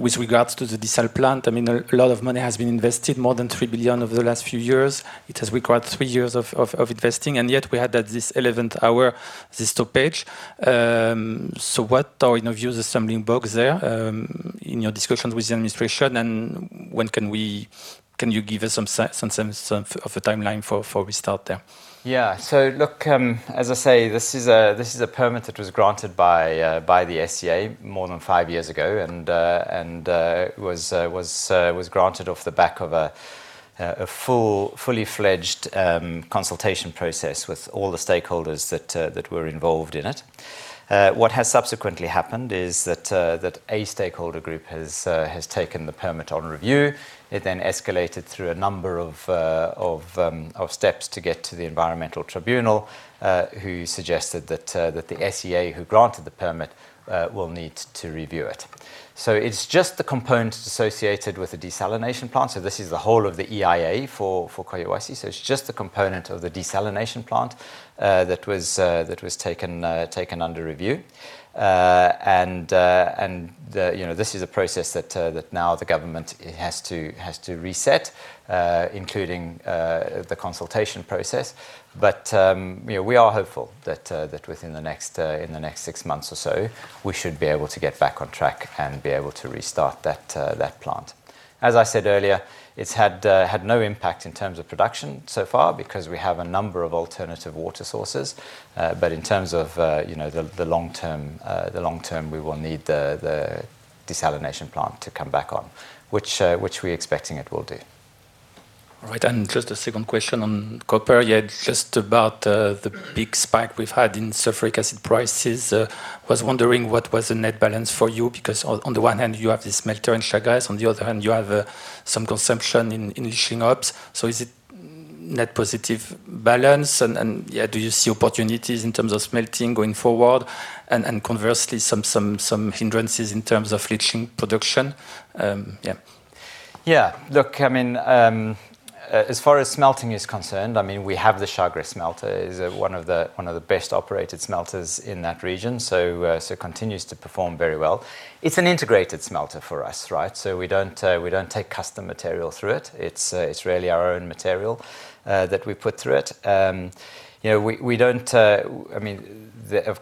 with regards to the desal plant. A lot of money has been invested, more than $3 billion over the last few years. It has required three years of investing, and yet we had this 11th-hour stoppage. What are your views on assembling books there in your discussions with the administration, and can you give us some of the timeline for restart there? Yeah. Look, as I say, this is a permit that was granted by the SEA more than five years ago and was granted off the back of a fully fledged consultation process with all the stakeholders that were involved in it. What has subsequently happened is that a stakeholder group has taken the permit on review. It then escalated through a number of steps to get to the environmental tribunal, who suggested that the SEA, who granted the permit, will need to review it. It's just the component associated with the desalination plant. This is the whole of the EIA for Collahuasi. It's just the component of the desalination plant that was taken under review. This is a process that now the government has to reset, including the consultation process. We are hopeful that within the next six months or so, we should be able to get back on track and be able to restart that plant. As I said earlier, it's had no impact in terms of production so far because we have a number of alternative water sources. In terms of the long term, we will need the desalination plant to come back on, which we're expecting it will do. All right. Just a second question on copper. Just about the big spike we've had in sulfuric acid prices. I was wondering what was the net balance is for you, because on the one hand, you have this smelter in Chagres, on the other hand, you have some consumption in leaching ops. Is it a net positive balance? Do you see opportunities in terms of smelting going forward and conversely, some hindrances in terms of leaching production? As far as smelting is concerned, we have the Chagres smelter. It's one of the best-operated smelters in that region, continues to perform very well. It's an integrated smelter for us, right? We don't take custom material through it. It's really our own material that we put through it. Of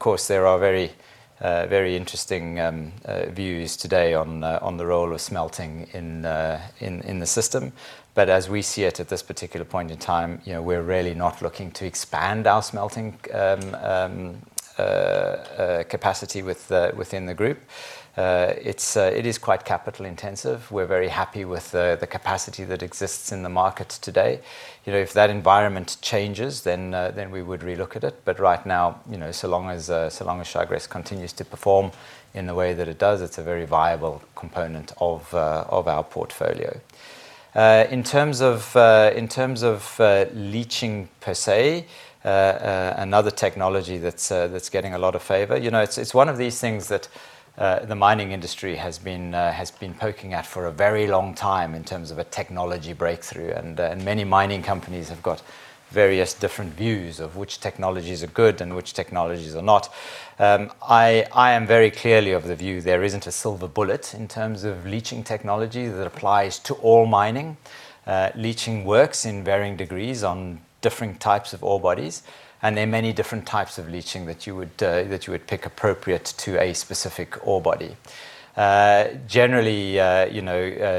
course, there are very interesting views today on the role of smelting in the system. As we see it at this particular point in time, we're really not looking to expand our smelting capacity within the group. It is quite capital intensive. We're very happy with the capacity that exists in the market today. If that environment changes, we would re-look at it. Right now, so long as Chagres continues to perform in the way that it does, it's a very viable component of our portfolio. In terms of leaching per se, another technology that's getting a lot of favor it's one of these things that the mining industry has been poking at for a very long time in terms of a technology breakthrough. Many mining companies have got various different views of which technologies are good and which technologies are not. I am very clearly of the view there isn't a silver bullet in terms of leaching technology that applies to all mining. Leaching works in varying degrees on different types of ore bodies, and there are many different types of leaching that you would pick appropriate to a specific ore body. Generally,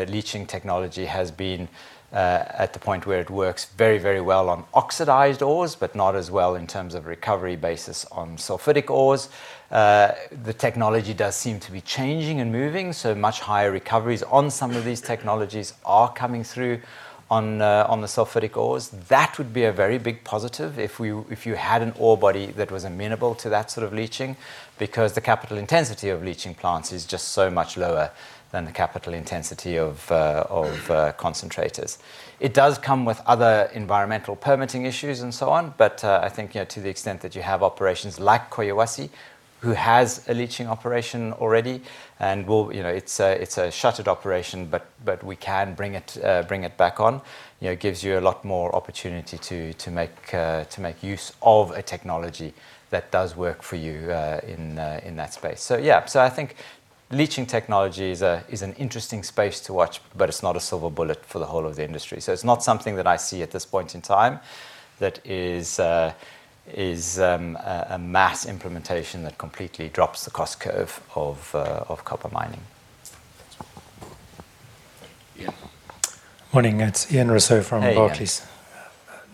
leaching technology has been at the point where it works very well on oxidized ores, but not as well in terms of recovery basis on sulfuric ores. The technology does seem to be changing and moving; much higher recoveries on some of these technologies are coming through on the sulfuric ores. That would be a very big positive if you had an ore body that was amenable to that sort of leaching, because the capital intensity of leaching plants is just so much lower than the capital intensity of concentrators. It does come with other environmental permitting issues and so on. I think, to the extent that you have operations like Quellaveco, who has a leaching operation already, and it's a shuttered operation, but we can bring it back on. It gives you a lot more opportunity to make use of a technology that does work for you in that space. Yeah. I think leaching technology is an interesting space to watch, but it's not a silver bullet for the whole of the industry. It's not something that I see at this point in time that is a mass implementation that completely drops the cost curve of copper mining. Thanks. Yeah. Morning, it's Ian Rossouw from Barclays.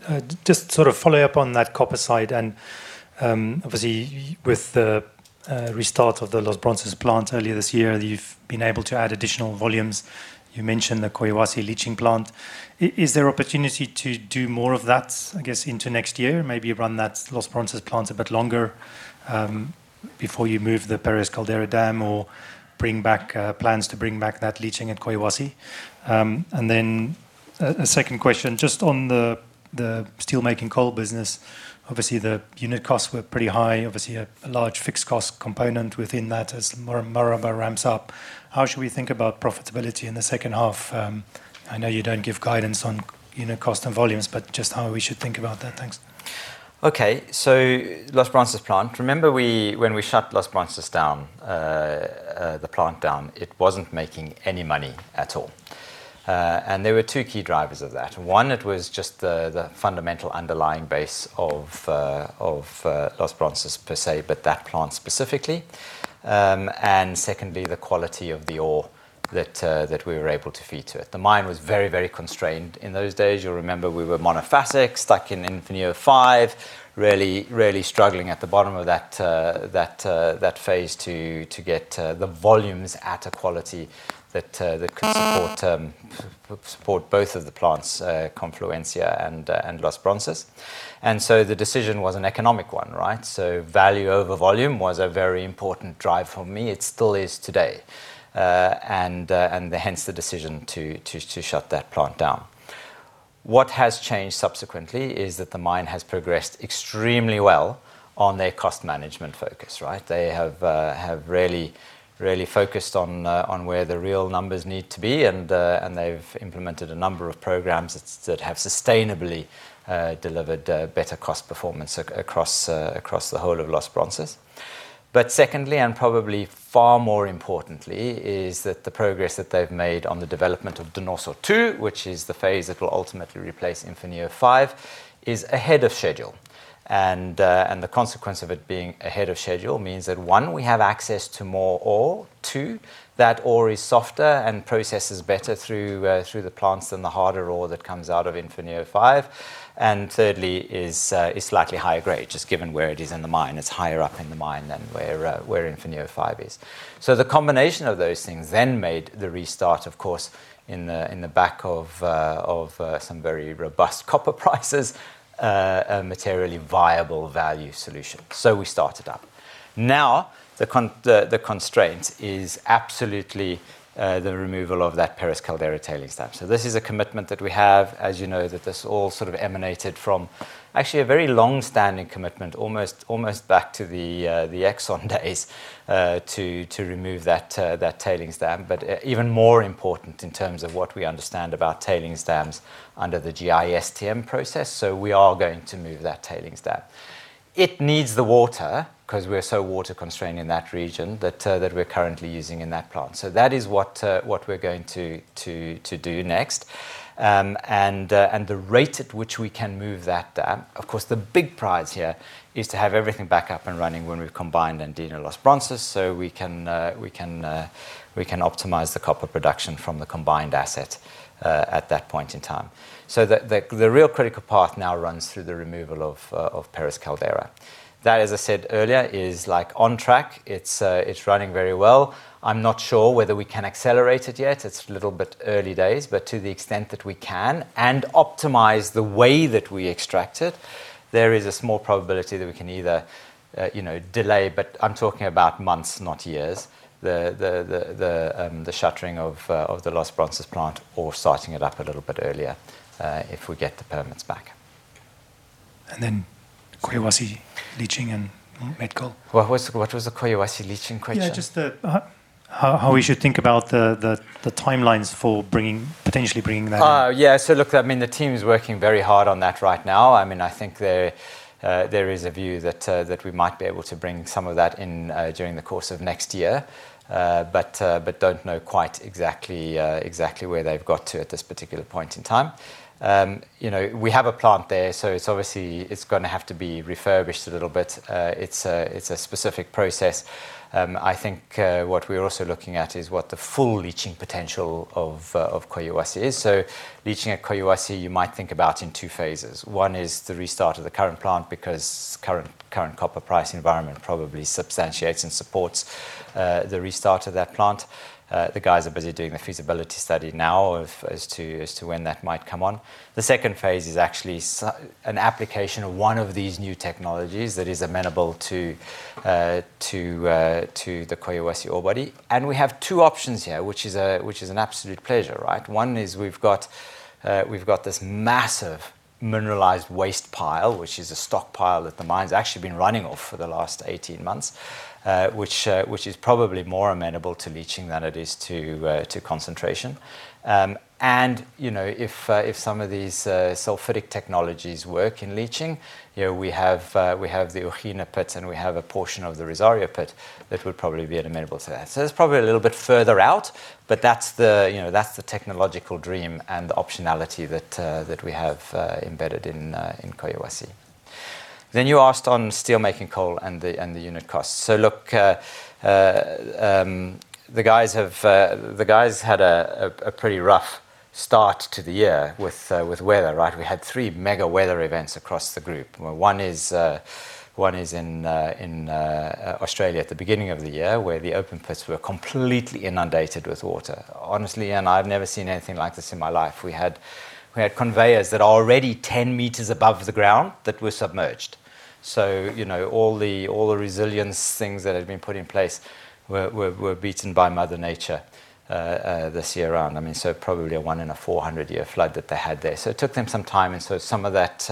Hey, Ian. Just to follow up on that copper side, obviously, with the restart of the Los Bronces plant earlier this year, you've been able to add additional volumes. You mentioned the Quellaveco leaching plant. Is there an opportunity to do more of that, I guess, into next year? Maybe run that Los Bronces plant a bit longer before you move the Pérez Caldera Dam, or plans to bring back that leaching at Quellaveco? A second question, just on the steelmaking coal business. Obviously, the unit costs were pretty high. Obviously, a large fixed cost component within that as Moranbah ramps up. How should we think about profitability in the second half? I know you don't give guidance on unit cost and volumes, but just how we should think about that. Thanks. Los Bronces plant. Remember when we shut the plant down, it wasn't making any money at all. There were two key drivers of that. One, it was just the fundamental underlying base of Los Bronces per se, but that plant specifically. Secondly, the quality of the ore that we were able to feed to it. The mine was very constrained in those days. You'll remember we were monofasic, stuck in Infiernillo 5, really struggling at the bottom of that phase to get the volumes at a quality that could support both of the plants, Confluencia and Los Bronces. The decision was an economic one, right? Value over volume was a very important drive for me. It still is today. Hence the decision to shut that plant down. What has changed subsequently is that the mine has progressed extremely well on their cost management focus, right? They have really focused on where the real numbers need to be, and they've implemented a number of programs that have sustainably delivered better cost performance across the whole of Los Bronces. Secondly, and probably far more importantly, is that the progress that they've made on the development of Donoso 2, which is the phase that will ultimately replace Infiernillo 5, is ahead of schedule. The consequence of it being ahead of schedule means that, one, we have access to more ore. Two, that ore is softer and processes better through the plants than the harder ore that comes out of Infiernillo 5. Thirdly, is slightly higher grade, just given where it is in the mine. It's higher up in the mine than where Infiernillo 5 is. The combination of those things then made the restart, of course, in the back of some very robust copper prices, a materially viable value solution. We started up. Now, the constraint is absolutely the removal of that Pérez Caldera tailings dam. This is a commitment that we have, as you know, that this all sort of emanated from actually a very long-standing commitment, almost back to the Exxon days, to remove that tailings dam. Even more important in terms of what we understand about tailings dams under the GISTM process, we are going to move that tailings dam. It needs the water because we're so water-constrained in that region that we're currently using in that plant. That is what we're going to do next. The rate at which we can move that dam, of course, is the big prize here to have everything back up and running when we've combined Andina and Los Bronces so we can optimize the copper production from the combined asset at that point in time. The real critical path now runs through the removal of Pérez Caldera. That, as I said earlier, is on track. It's running very well. I'm not sure whether we can accelerate it yet. It's a little bit early days, but to the extent that we can and optimize the way that we extract it, there is a small probability that we can either delay, but I'm talking about months, not years, the shuttering of the Los Bronces plant or starting it up a little bit earlier if we get the permits back. Collahuasi leaching and [Metcalf]? What was the Collahuasi leaching question? How we should think about the timelines for potentially bringing that- Oh, yeah. Look, the team is working very hard on that right now. I think there is a view that we might be able to bring some of that in during the course of next year. Don't know quite exactly where they've got to at this particular point in time. We have a plant there, so it's going to have to be refurbished a little bit. It's a specific process. I think what we're also looking at is what the full leaching potential of Collahuasi is. Leaching at Collahuasi, you might think about in two phases. One is the restart of the current plant because the current copper price environment probably substantiates and supports the restart of that plant. The guys are busy doing the feasibility study now as to when that might come on. The second phase is actually an application of one of these new technologies that is amenable to the Collahuasi ore body. We have two options here, which is an absolute pleasure. One is we've got this massive mineralized waste pile, which is a stockpile that the mine's actually been running off for the last 18 months, which is probably more amenable to leaching than it is to concentration. If some of these sulfuric technologies work in leaching, we have the Ujina pits, and we have a portion of the Rosario pit that would probably be amenable to that. That's probably a little bit further out, but that's the technological dream and the optionality that we have embedded in Collahuasi. You asked on steelmaking coal and the unit cost. Look, the guys had a pretty rough start to the year with weather. We had three mega weather events across the group, where one is in Australia at the beginning of the year, where the open pits were completely inundated with water. Honestly, Ian, I've never seen anything like this in my life. We had conveyors that are already 10 m above the ground that were submerged. All the resilience things that had been put in place were beaten by Mother Nature this year around. Probably a one-in-a-400-year flood that they had there. It took them some time, some of that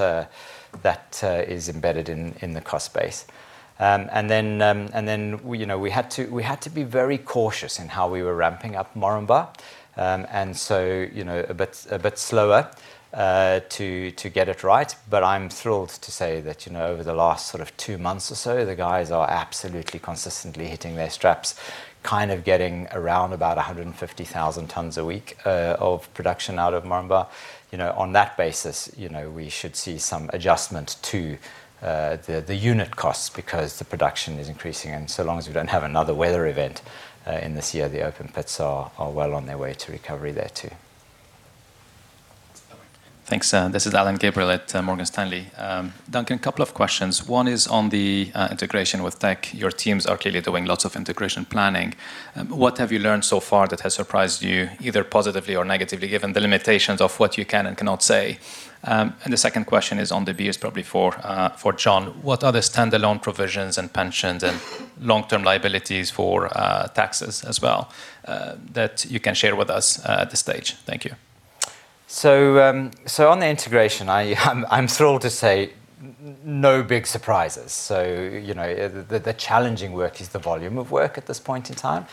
is embedded in the cost base. We had to be very cautious in how we were ramping up Moranbah. A bit slower to get it right. I'm thrilled to say that over the last two months or so, the guys are absolutely consistently hitting their straps, kind of getting around about 150,000 tons a week of production out of Moranbah. On that basis, we should see some adjustment to the unit costs because the production is increasing, and so long as we don't have another weather event in this year, the open pits are well on their way to recovery there too. Thanks. This is Alain Gabriel at Morgan Stanley. Duncan, a couple of questions. One is on the integration with Teck. Your teams are clearly doing lots of integration planning. What have you learned so far that has surprised you, either positively or negatively, given the limitations of what you can and cannot say? The second question is on the B is probably for John. What are the standalone provisions and pensions and long-term liabilities for taxes as well that you can share with us at this stage? Thank you. On the integration, I'm thrilled to say no big surprises. The challenging work is the volume of work at this point in time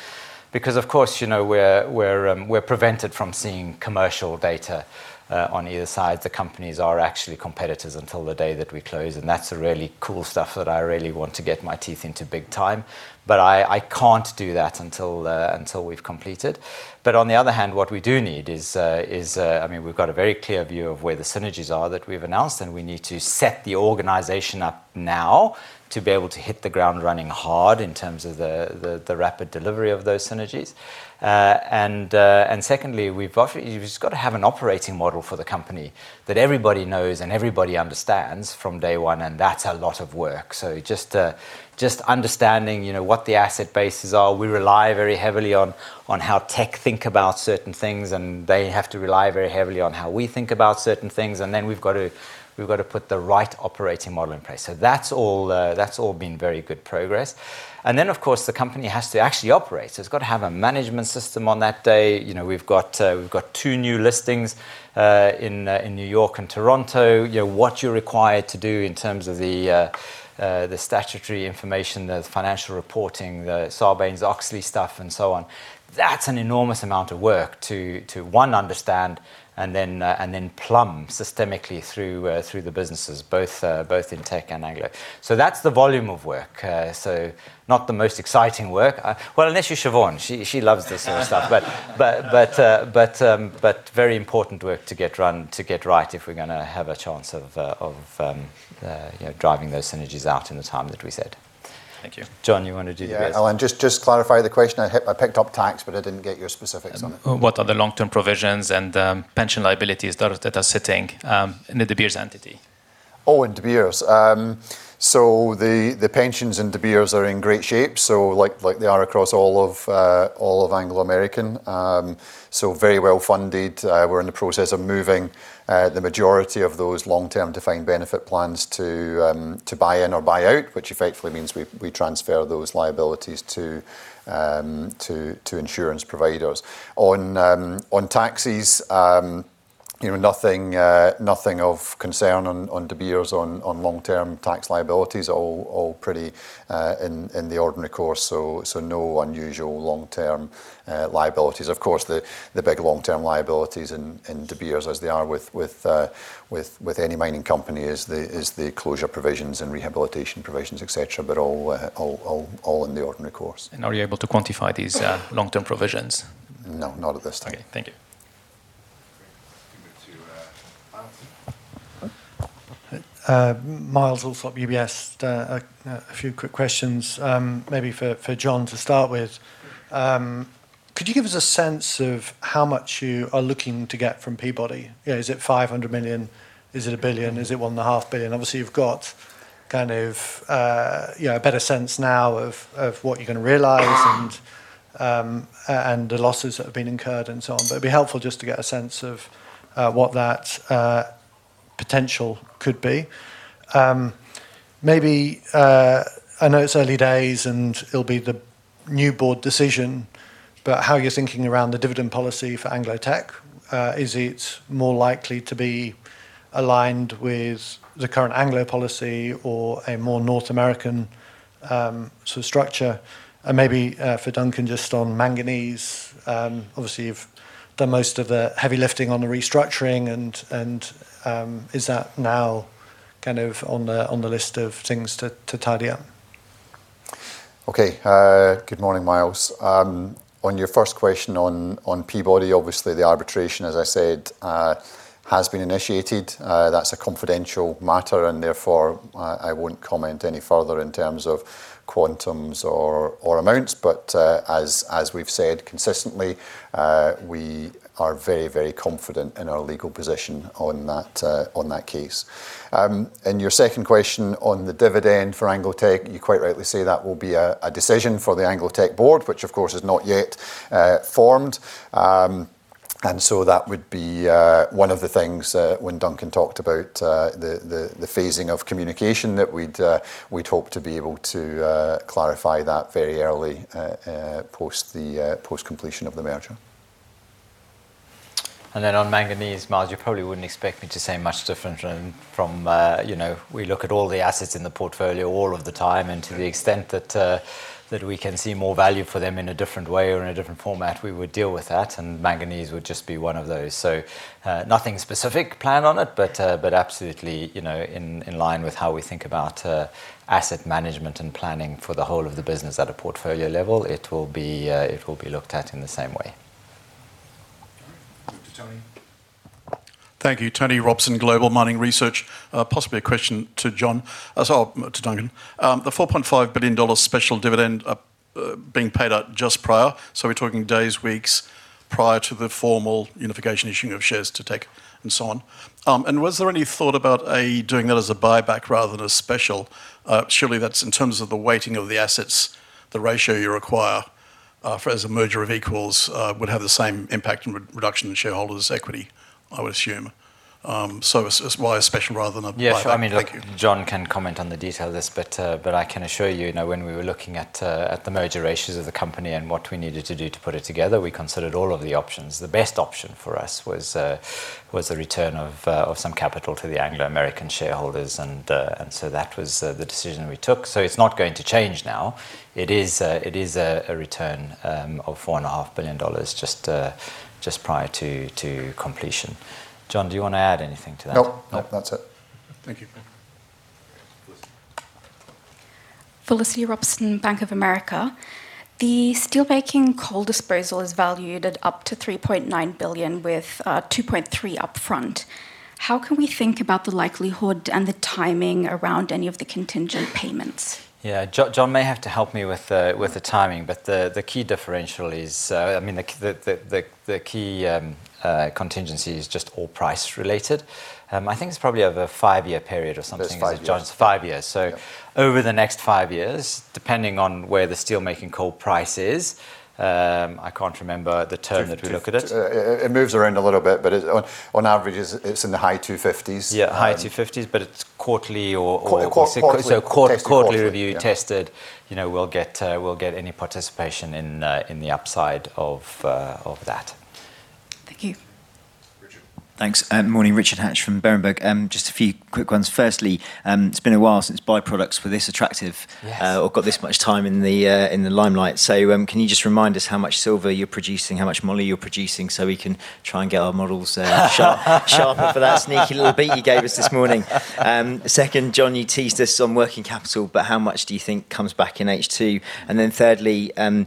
because, of course, we're prevented from seeing commercial data on either side. The companies are actually competitors until the day that we close, and that's the really cool stuff that I really want to get my teeth into big time. I can't do that until we've completed. On the other hand, We've got a very clear view of where the synergies are that we've announced, and we need to set the organization up now to be able to hit the ground running hard in terms of the rapid delivery of those synergies. Secondly, you've just got to have an operating model for the company that everybody knows, and everybody understands from day one, and that's a lot of work. Just understanding what the asset bases are. We rely very heavily on how Teck thinks about certain things, and they have to rely very heavily on how we think about certain things. Then we've got to put the right operating model in place. That's all been very good progress. Then, of course, the company has to actually operate. It's got to have a management system on that day. We've got two new listings, in New York and Toronto. What you're required to do in terms of the statutory information, the financial reporting, the Sarbanes-Oxley stuff, and so on. That's an enormous amount of work to, one, understand and then plumb systemically through the businesses, both in Teck and Anglo. That's the volume of work. Not the most exciting work. Well, unless you're Siobhan. She loves this sort of stuff. Very important work to get right if we're going to have a chance of driving those synergies out in the time that we said. Thank you. John, you want to do De Beers? Yeah. Alain, just to clarify the question. I picked up tax, but I didn't get your specifics on it. What are the long-term provisions and pension liabilities that are sitting in the De Beers entity? In De Beers. The pensions in De Beers are in great shape. Like they are across all of Anglo American. Very well-funded. We're in the process of moving the majority of those long-term defined benefit plans to buy-in or buy-out, which effectively means we transfer those liabilities to insurance providers. On taxes, nothing of concern on De Beers on long-term tax liabilities. All pretty in the ordinary course, no unusual long-term liabilities. Of course, the big long-term liabilities in De Beers, as they are with any mining company, is the closure provisions and rehabilitation provisions, et cetera. All in the ordinary course. Are you able to quantify these long-term provisions? No, not at this time. Okay. Thank you. Great. Let's give it to Myles. Myles Allsop, UBS. A few quick questions, maybe for John to start with. Could you give us a sense of how much you are looking to get from Peabody? Is it $500 million? Is it $1 billion? Is it $1.5 billion? Obviously, you've got a better sense now of what you're going to realize and the losses that have been incurred and so on. It'd be helpful just to get a sense of what that potential could be. Maybe, I know it's early days, and it'll be the new board decision, but how you're thinking around the dividend policy for Anglo Teck. Is it more likely to be aligned with the current Anglo American policy or a more North American structure? Maybe, for Duncan, just on Manganese. Obviously, you've done most of the heavy lifting on the restructuring and is that now on the list of things to tidy up? Okay. Good morning, Myles. On your first question on Peabody, obviously the arbitration, as I said, has been initiated. That's a confidential matter, therefore, I won't comment any further in terms of quantum or amounts. As we've said consistently, we are very confident in our legal position on that case. Your second question on the dividend for Anglo Teck, you quite rightly say that will be a decision for the Anglo Teck board, which of course is not yet formed. So that would be one of the things when Duncan talked about the phasing of communication that we'd hope to be able to clarify that very early post completion of the merger. On Manganese, Myles, you probably wouldn't expect me to say much different from we look at all the assets in the portfolio all of the time, and to the extent that we can see more value for them in a different way or in a different format, we would deal with that, and Manganese would just be one of those. Nothing specific planned on it, but absolutely in line with how we think about asset management and planning for the whole of the business at a portfolio level. It will be looked at in the same way. Tony. Thank you. Tony Robson, Global Mining Research. Possibly a question to John. Sorry, to Duncan. The $4.5 billion special dividend being paid out just prior. So we're talking days, weeks, prior to the formal unification issuing of shares to Teck and so on. Was there any thought about doing that as a buyback rather than a special? Surely that's in terms of the weighting of the assets, the ratio you require as a merger of equals would have the same impact and reduction in shareholders' equity, I would assume. It's why a special rather than a buyback. Thank you. Yes. John can comment on the detail of this, but I can assure you, when we were looking at the merger ratios of the company and what we needed to do to put it together, we considered all of the options. The best option for us was the return of some capital to the Anglo American shareholders. That was the decision we took. It's not going to change now. It is a return of $4.5 billion just prior to completion. John, do you want to add anything to that? No. No. That's it. Thank you. Felicity. Felicity Robson, Bank of America. The steelmaking coal disposal is valued at up to $3.9 billion, with $2.3 billion upfront. How can we think about the likelihood and the timing around any of the contingent payments? Yeah. John may have to help me with the timing. The key contingency is just all price-related. I think it's probably over a five-year period or something. It's five years. It's five years. Yeah. Over the next five years, depending on where the steelmaking coal price is, I can't remember the term that we look at it. It moves around a little bit, but on average, it's in the high 250s. Yeah, high 250s, but it's quarterly or. Quarterly. Tested quarterly Quarterly review tested. We'll get any participation in the upside of that. Thank you. Richard. Thanks. Morning. Richard Hatch from Berenberg. Just a few quick ones. Firstly, it's been a while since byproducts were this attractive. Yes. Got this much time in the limelight. Can you just remind us how much silver you're producing, how much moly you're producing, so we can try and get our models sharper for that sneaky little beat you gave us this morning. Second, John, you teased us on working capital, how much do you think comes back in H2? Thirdly, good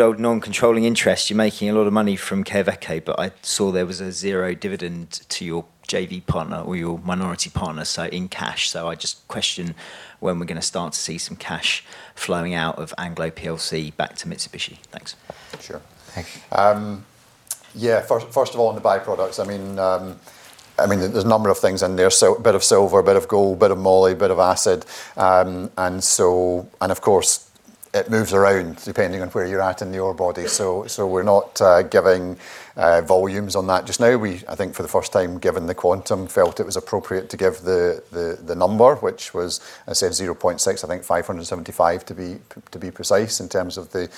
old non-controlling interest. You're making a lot of money from Quellaveco, I saw there was a zero dividend to your JV partner or your minority partner, so in cash. I just question when we're going to start to see some cash flowing out of Anglo PLC back to Mitsubishi. Thanks. Sure. Thank you. First of all, on the byproducts, there's a number of things in there. A bit of silver, a bit of gold, a bit of moly, a bit of acid. Of course, it moves around depending on where you're at in the ore body. We're not giving volumes on that just now. We, I think, for the first time, given the quantum, felt it was appropriate to give the number, which was, as I said, $0.6575 to be precise, in terms of the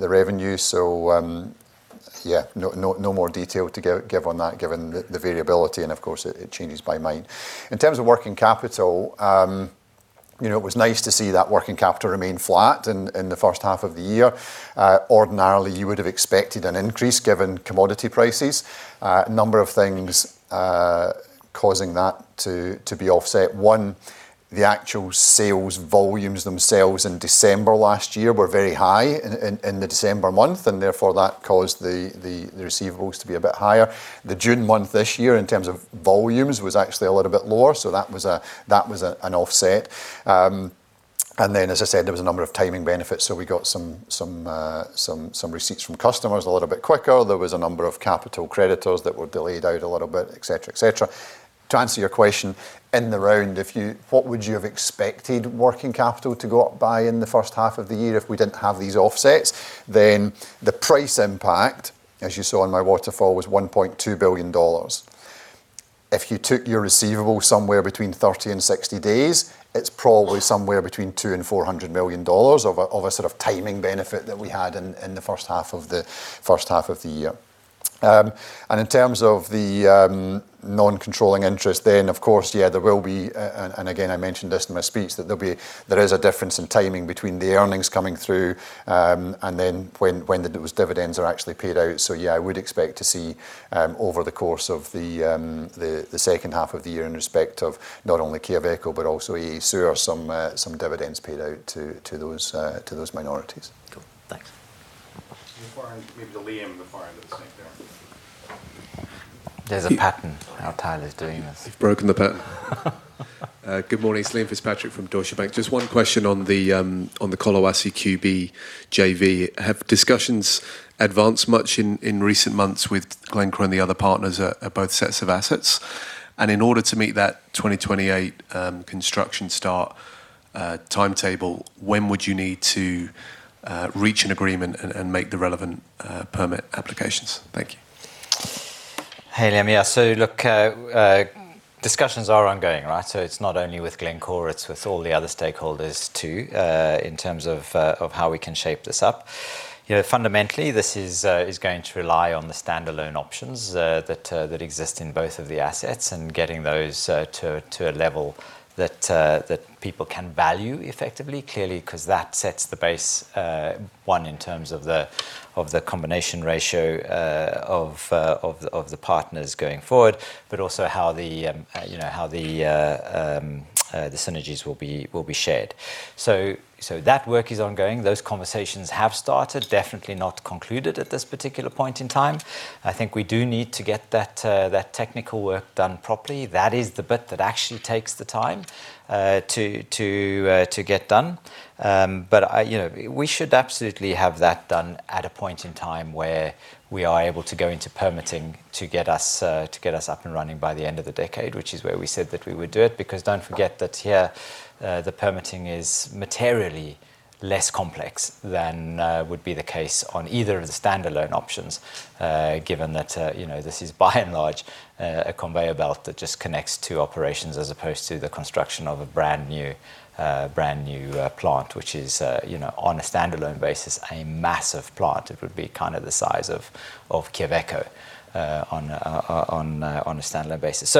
revenue. No more detail to give on that given the variability, and of course, it changes by mine. In terms of working capital, it was nice to see that working capital remained flat in the first half of the year. Ordinarily, you would have expected an increase given commodity prices. A number of things causing that to be offset. One, the actual sales volumes themselves in December last year were very high in the December month, therefore that caused the receivables to be a bit higher. The June month this year in terms of volumes, was actually a little bit lower, that was an offset. As I said, there was a number of timing benefits, we got some receipts from customers a little bit quicker. There was a number of capital creditors that were delayed out a little bit, et cetera. To answer your question, in the round, what would you have expected working capital to go up by in the first half of the year if we didn't have these offsets? The price impact, as you saw in my waterfall, was $1.2 billion. If you took your receivable somewhere between 30 and 60 days, it's probably somewhere between $200 million and $400 million of a sort of timing benefit that we had in the first half of the year. In terms of the non-controlling interest, of course, yeah, there will be, and again, I mentioned this in my speech, that there is a difference in timing between the earnings coming through and when those dividends are actually paid out. Yeah, I would expect to see, over the course of the second half of the year in respect of not only Quellaveco, but also Anglo American Sur, some dividends paid out to those minorities. Cool. Thanks. Maybe to Liam, the far end of the same thing. There's a pattern to how Tyler's doing this. You've broken the pattern. Good morning. It's Liam Fitzpatrick from Deutsche Bank. Just one question on the Collahuasi Quellaveco JV. Have discussions advanced much in recent months with Glencore and the other partners at both sets of assets? In order to meet that 2028 construction start timetable, when would you need to reach an agreement and make the relevant permit applications? Thank you. Hey, Liam. Yeah. Look, discussions are ongoing, right? It's not only with Glencore, it's with all the other stakeholders too, in terms of how we can shape this up. Fundamentally, this is going to rely on the standalone options that exist in both of the assets and getting those to a level that people can value effectively. Clearly, because that sets the base, one, in terms of the combination ratio of the partners going forward, but also how the synergies will be shared. That work is ongoing. Those conversations have started, definitely not concluded at this particular point in time. I think we do need to get that technical work done properly. That is the bit that actually takes the time to get done. We should absolutely have that done at a point in time where we are able to go into permitting to get us up and running by the end of the decade, which is where we said that we would do it, because don't forget that here, the permitting is materially less complex than would be the case on either of the standalone options, given that this is by and large, a conveyor belt that just connects two operations as opposed to the construction of a brand-new plant, which is, on a standalone basis, a massive plant. It would be kind of the size of Quellaveco on a standalone basis.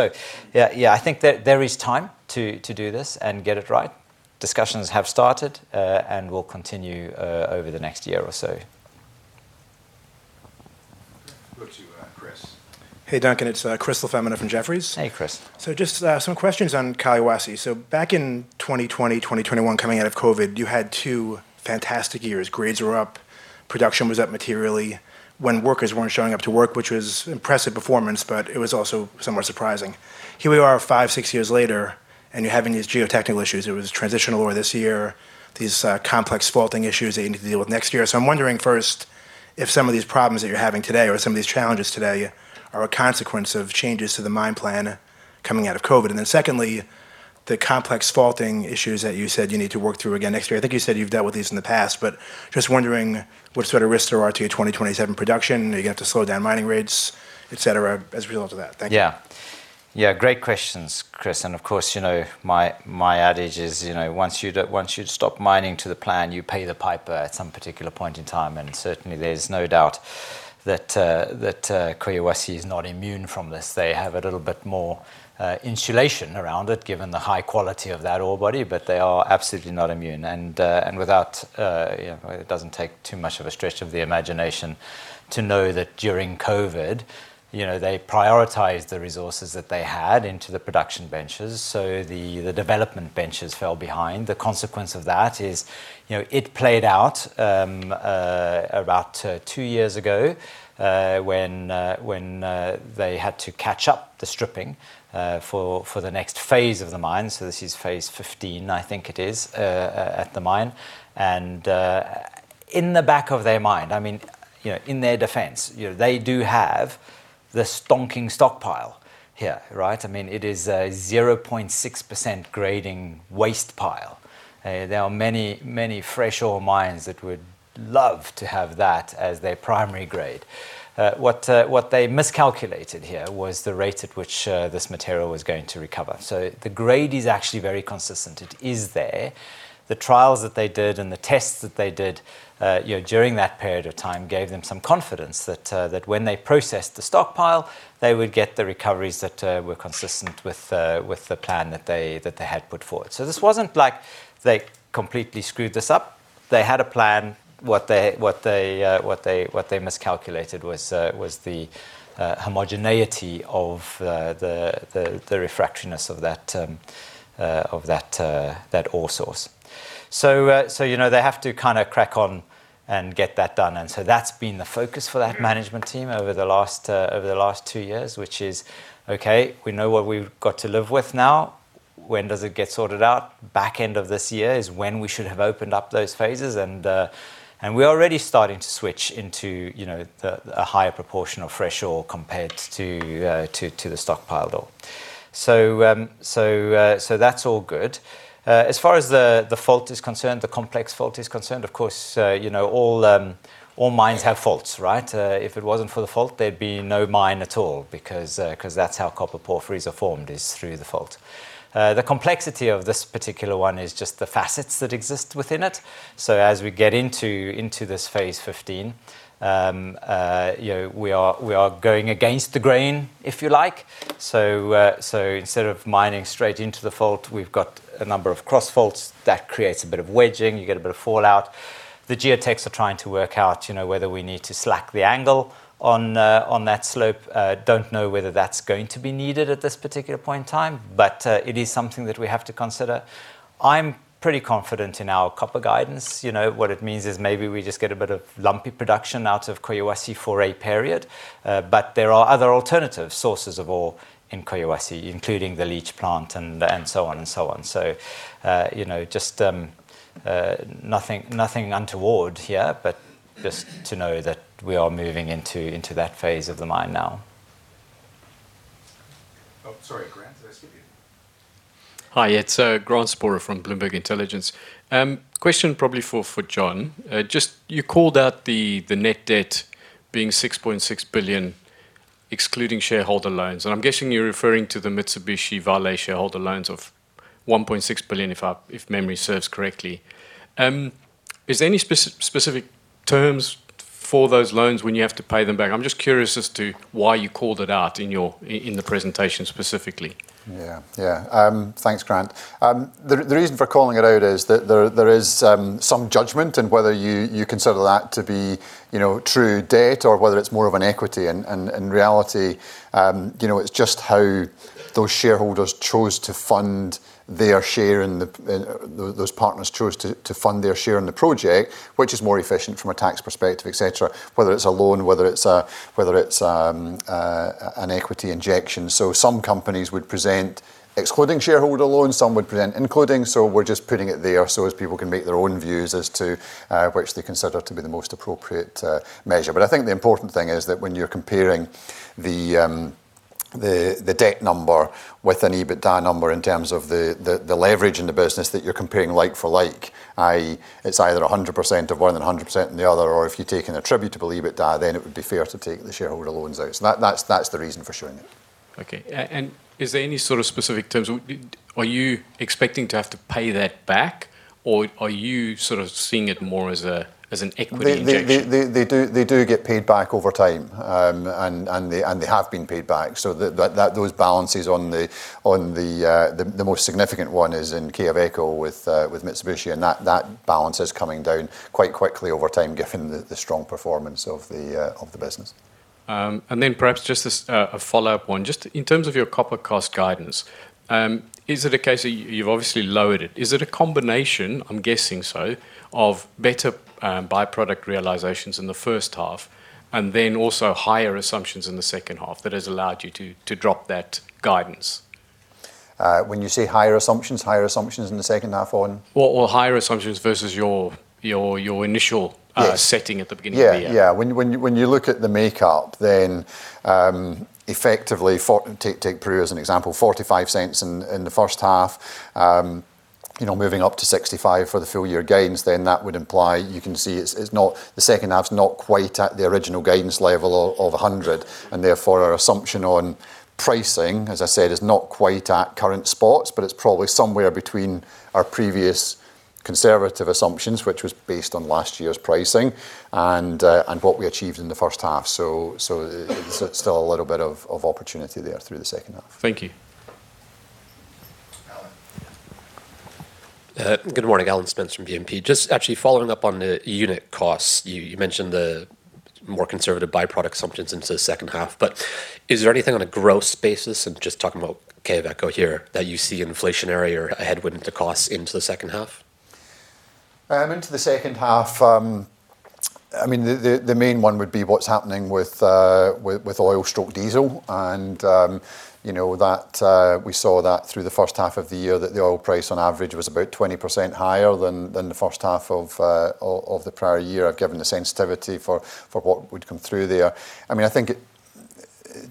Yeah, I think there is time to do this and get it right. Discussions have started, and will continue over the next year or so. Go to Chris. Hey, Duncan. It's Chris LaFemina from Jefferies. Hey, Chris. Just some questions on Collahuasi. Back in 2020, 2021, coming out of COVID, you had two fantastic years. Grades were up, production was up materially when workers weren't showing up to work, which was impressive performance, but it was also somewhat surprising. Here we are five, six years later, and you're having these geotechnical issues. There was a transitional ore this year, these complex faulting issues that you need to deal with next year. I'm wondering first, if some of these problems that you're having today or some of these challenges today are a consequence of changes to the mine plan coming out of COVID. Secondly, the complex faulting issues that you said you need to work through again next year- I think you said you've dealt with these in the past, but just wondering what sort of risks there are to your 2027 production. Are you going to have to slow down mining rates, et cetera, as a result of that? Thank you. Great questions, Chris. Of course, my adage is, once you stop mining to the plan, you pay the piper at some particular point in time. Certainly, there's no doubt that Collahuasi is not immune from this. They have a little bit more insulation around it, given the high quality of that ore body, but they are absolutely not immune. It does not take too much of a stretch of the imagination to know that during COVID, they prioritized the resources that they had into the production benches, so the development benches fell behind. The consequence of that is, it played out about two years ago, when they had to catch up the stripping for the next phase of the mine. This is phase 15, I think it is, at the mine. In the back of their mind, in their defense, they do have the stonking stockpile here. It is a 0.6% grading waste pile. There are many fresh ore mines that would love to have that as their primary grade. What they miscalculated here was the rate at which this material was going to recover. The grade is actually very consistent. It is there. The trials that they did and the tests that they did during that period of time gave them some confidence that when they processed the stockpile, they would get the recoveries that were consistent with the plan that they had put forward. This was not like they completely screwed this up. They had a plan. What they miscalculated was the homogeneity of the refractionness of that ore source. They have to crack on and get that done. That's been the focus for that management team over the last two years, which is, okay, we know what we've got to live with now. When does it get sorted out? Back end of this year is when we should have opened up those phases. We're already starting to switch into a higher proportion of fresh ore compared to the stockpiled ore. That's all good. As far as the fault is concerned, the complex fault is concerned, all mines have faults. If it was not for the fault, there'd be no mine at all because that's how copper porphyries are formed is through the fault. The complexity of this particular one is just the facets that exist within it. As we get into this phase 15, we are going against the grain, if you like. Instead of mining straight into the fault, we've got a number of cross faults. That creates a bit of wedging. You get a bit of fallout. The geotects are trying to work out whether we need to slack the angle on that slope. Do not know whether that's going to be needed at this particular point in time, but it is something that we have to consider. I'm pretty confident in our copper guidance. What it means is maybe we just get a bit of lumpy production out of Collahuasi for a period. But there are other alternative sources of ore in Collahuasi, including the leach plant and so on and so on. Just nothing untoward here, but just to know that we are moving into that phase of the mine now. Sorry, Grant, did I skip you? Hi, it's Grant Sporre from Bloomberg Intelligence. Question probably for John. You called out the net debt being $6.6 billion, excluding shareholder loans. I'm guessing you're referring to the Mitsubishi Vale shareholder loans of $1.6 billion, if memory serves correctly. Is there any specific terms for those loans when you have to pay them back? I'm just curious as to why you called it out in the presentation specifically. Thanks, Grant. The reason for calling it out is that there is some judgment in whether you consider that to be true debt or whether it's more of an equity. In reality, it's just how those shareholders chose to fund their share in the those partners chose to fund their share in the project, which is more efficient from a tax perspective, et cetera. Whether it's a loan, whether it's an equity injection. Some companies would present excluding shareholder loans, some would present including, so we're just putting it there so as people can make their own views as to which they consider to be the most appropriate measure. I think the important thing is that when you're comparing the debt number with an EBITDA number in terms of the leverage in the business that you're comparing like for like, i.e., it's either 100% of one or 100% in the other, or if you're taking attributable EBITDA, then it would be fair to take the shareholder loans out. That's the reason for showing it. Is there any sort of specific terms? Are you expecting to have to pay that back, or are you sort of seeing it more as an equity injection? They do get paid back over time. They have been paid back, so those balances on the most significant one is in Quellaveco with Mitsubishi, and that balance is coming down quite quickly over time given the strong performance of the business. Perhaps just a follow-up one. Just in terms of your copper cost guidance, is it a case that you've obviously lowered it? Is it a combination, I'm guessing so, of better by-product realizations in the first half and then also higher assumptions in the second half that has allowed you to drop that guidance? When you say higher assumptions, higher assumptions in the second half on? Well, higher assumptions versus your initial Yes. Setting at the beginning of the year. Yeah. When you look at the makeup, effectively, take Peru as an example, $0.45 in the first half moving up to $0.65 for the full year gains, that would imply you can see the second half's not quite at the original guidance level of $1.00, therefore our assumption on pricing, as I said, is not quite at current spots, but it's probably somewhere between our previous conservative assumptions, which was based on last year's pricing and what we achieved in the first half. It's still a little bit of opportunity there through the second half. Thank you. Alan. Good morning. Alan Spence from BNP. Just actually following up on the unit costs. Is there anything on a gross basis, and just talking about Quellaveco here, that you see inflationary or a headwind to costs into the second half? Into the second half, the main one would be what's happening with oil/diesel, and we saw that through the first half of the year that the oil price on average was about 20% higher than the first half of the prior year, given the sensitivity for what would come through there. I think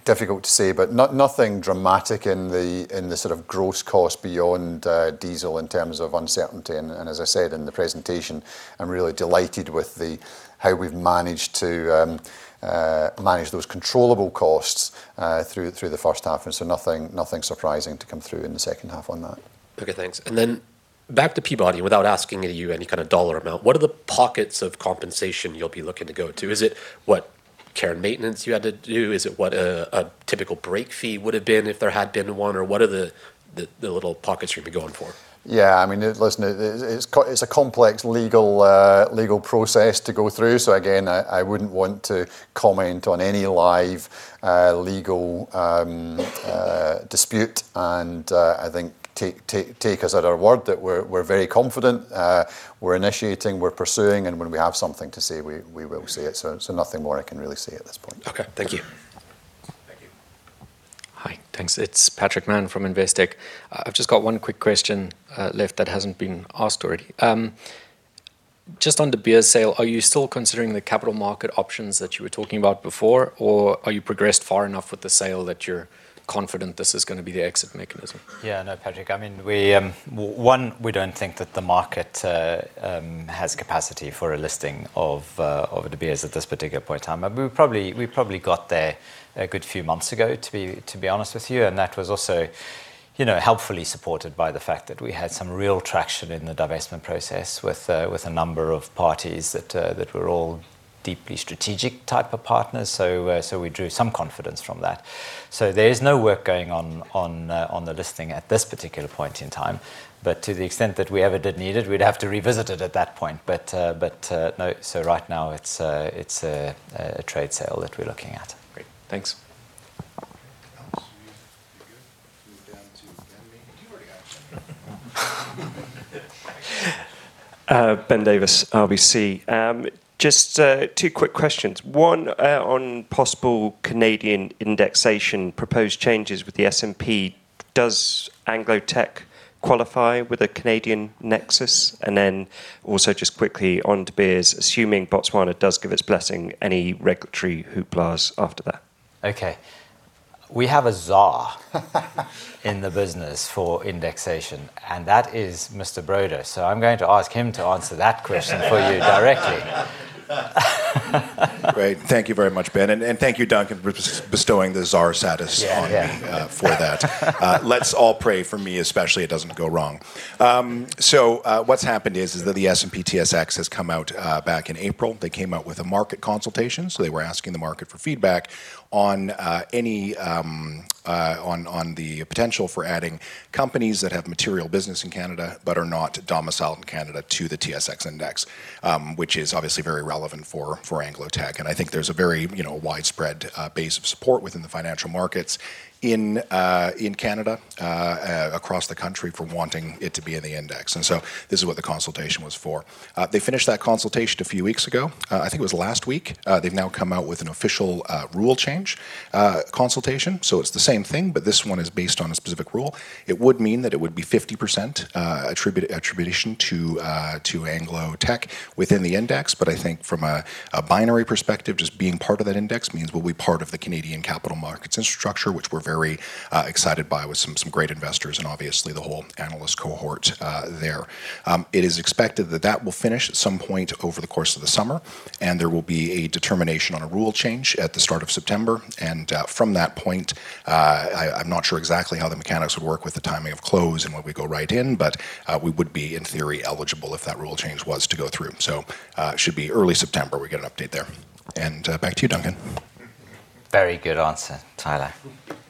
difficult to say, nothing dramatic in the sort of gross cost beyond diesel in terms of uncertainty. As I said in the presentation, I'm really delighted with how we've managed to manage those controllable costs through the first half. Nothing surprising to come through in the second half on that. Okay, thanks. Back to Peabody, without asking you any kind of dollar amount, what are the pockets of compensation you'll be looking to go to? Is it what care and maintenance you had to do? Is it what a typical break fee would've been if there had been one? What are the little pockets you'd be going for? Yeah. Listen, it's a complex legal process to go through, again, I wouldn't want to comment on any live legal dispute. I think take us at our word that we're very confident, we're initiating, we're pursuing, and when we have something to say, we will say it. Nothing more I can really say at this point. Okay. Thank you. Thank you. Hi. Thanks. It's Patrick Mann from Investec. I've just got one quick question left that hasn't been asked already. Just on the De Beers sale, are you still considering the capital market options that you were talking about before, or are you progressed far enough with the sale that you're confident this is going to be the exit mechanism? Yeah, no, Patrick, one, we don't think that the market has capacity for a listing of De Beers at this particular point in time. We probably got there a good few months ago, to be honest with you. That was also helpfully supported by the fact that we had some real traction in the divestment process with a number of parties that were all deeply strategic-type of partners. We drew some confidence from that. There is no work going on the listing at this particular point in time. To the extent that we ever did need it, we'd have to revisit it at that point. No, so right now it's a trade sale that we're looking at. Great. Thanks. Alex, are you good? Move down to Ben maybe. You already asked one. Ben Davis, RBC. Just two quick questions. One on possible Canadian indexation proposed changes with the S&P. Does Anglo Teck qualify with a Canadian nexus? Also, just quickly on De Beers, assuming Botswana does give its blessing, any regulatory hoopla after that? Okay. We have a in the business for indexation, and that is Mr. Broda. I'm going to ask him to answer that question for you directly. Great. Thank you very much, Ben. Thank you, Duncan, for bestowing the TSX status on me. Yeah. For that. Let's all pray for me, especially it doesn't go wrong. What's happened is that the S&P/TSX has come out, back in April. They came out with a market consultation, so they were asking the market for feedback on the potential for adding companies that have material business in Canada but are not domiciled in Canada to the TSX index. Which is obviously very relevant for Anglo Teck, and I think there's a very widespread base of support within the financial markets in Canada across the country for wanting it to be in the index. This is what the consultation was for. They finished that consultation a few weeks ago. I think it was last week. They've now come out with an official rule change consultation, so it's the same thing, but this one is based on a specific rule. It would mean that it would be 50% attribution to Anglo Teck within the index. I think from a binary perspective, just being part of that index means we'll be part of the Canadian capital markets infrastructure, which we're very excited by, with some great investors and obviously the whole analyst cohort there. It is expected that that will finish at some point over the course of the summer. There will be a determination on a rule change at the start of September. From that point, I'm not sure exactly how the mechanics would work with the timing of close and whether we go right in, but we would be, in theory, eligible if that rule change was to go through. We should get an update there in early September. Back to you, Duncan. Very good answer, Tyler.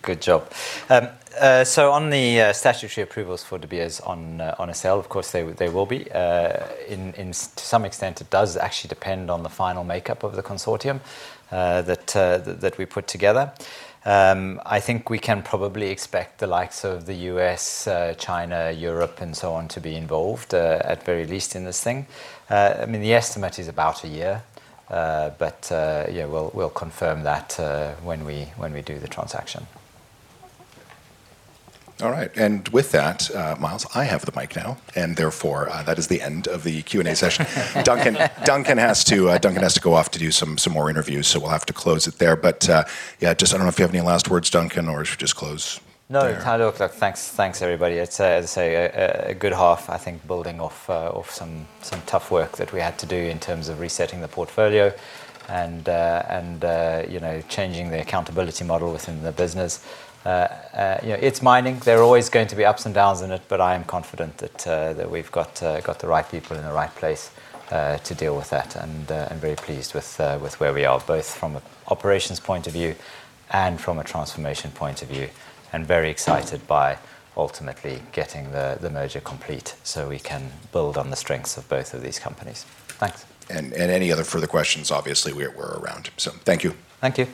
Good job. On the statutory approvals for De Beers on a sale, of course they will be. To some extent it does actually depend on the final makeup of the consortium that we put together. I think we can probably expect the likes of the U.S., China, Europe, and so on to be involved, at very least, in this thing. The estimate is about a year. We'll confirm that when we do the transaction. All right. With that, Myles, I have the mic now, and therefore, that is the end of the Q&A session. Duncan has to go off to do some more interviews, so we'll have to close it there. I don't know if you have any last words, Duncan, or should we just close there? No, Tyler. Look, thanks, everybody. I'd say a good half, I think, building off some tough work that we had to do in terms of resetting the portfolio and changing the accountability model within the business. It's mining. There are always going to be ups and downs in it, but I am confident that we've got the right people in the right place to deal with that. I'm very pleased with where we are, both from an operations point of view and from a transformation point of view, and very excited by ultimately getting the merger complete so we can build on the strengths of both of these companies. Thanks. Any other further questions, obviously, we're around. Thank you. Thank you.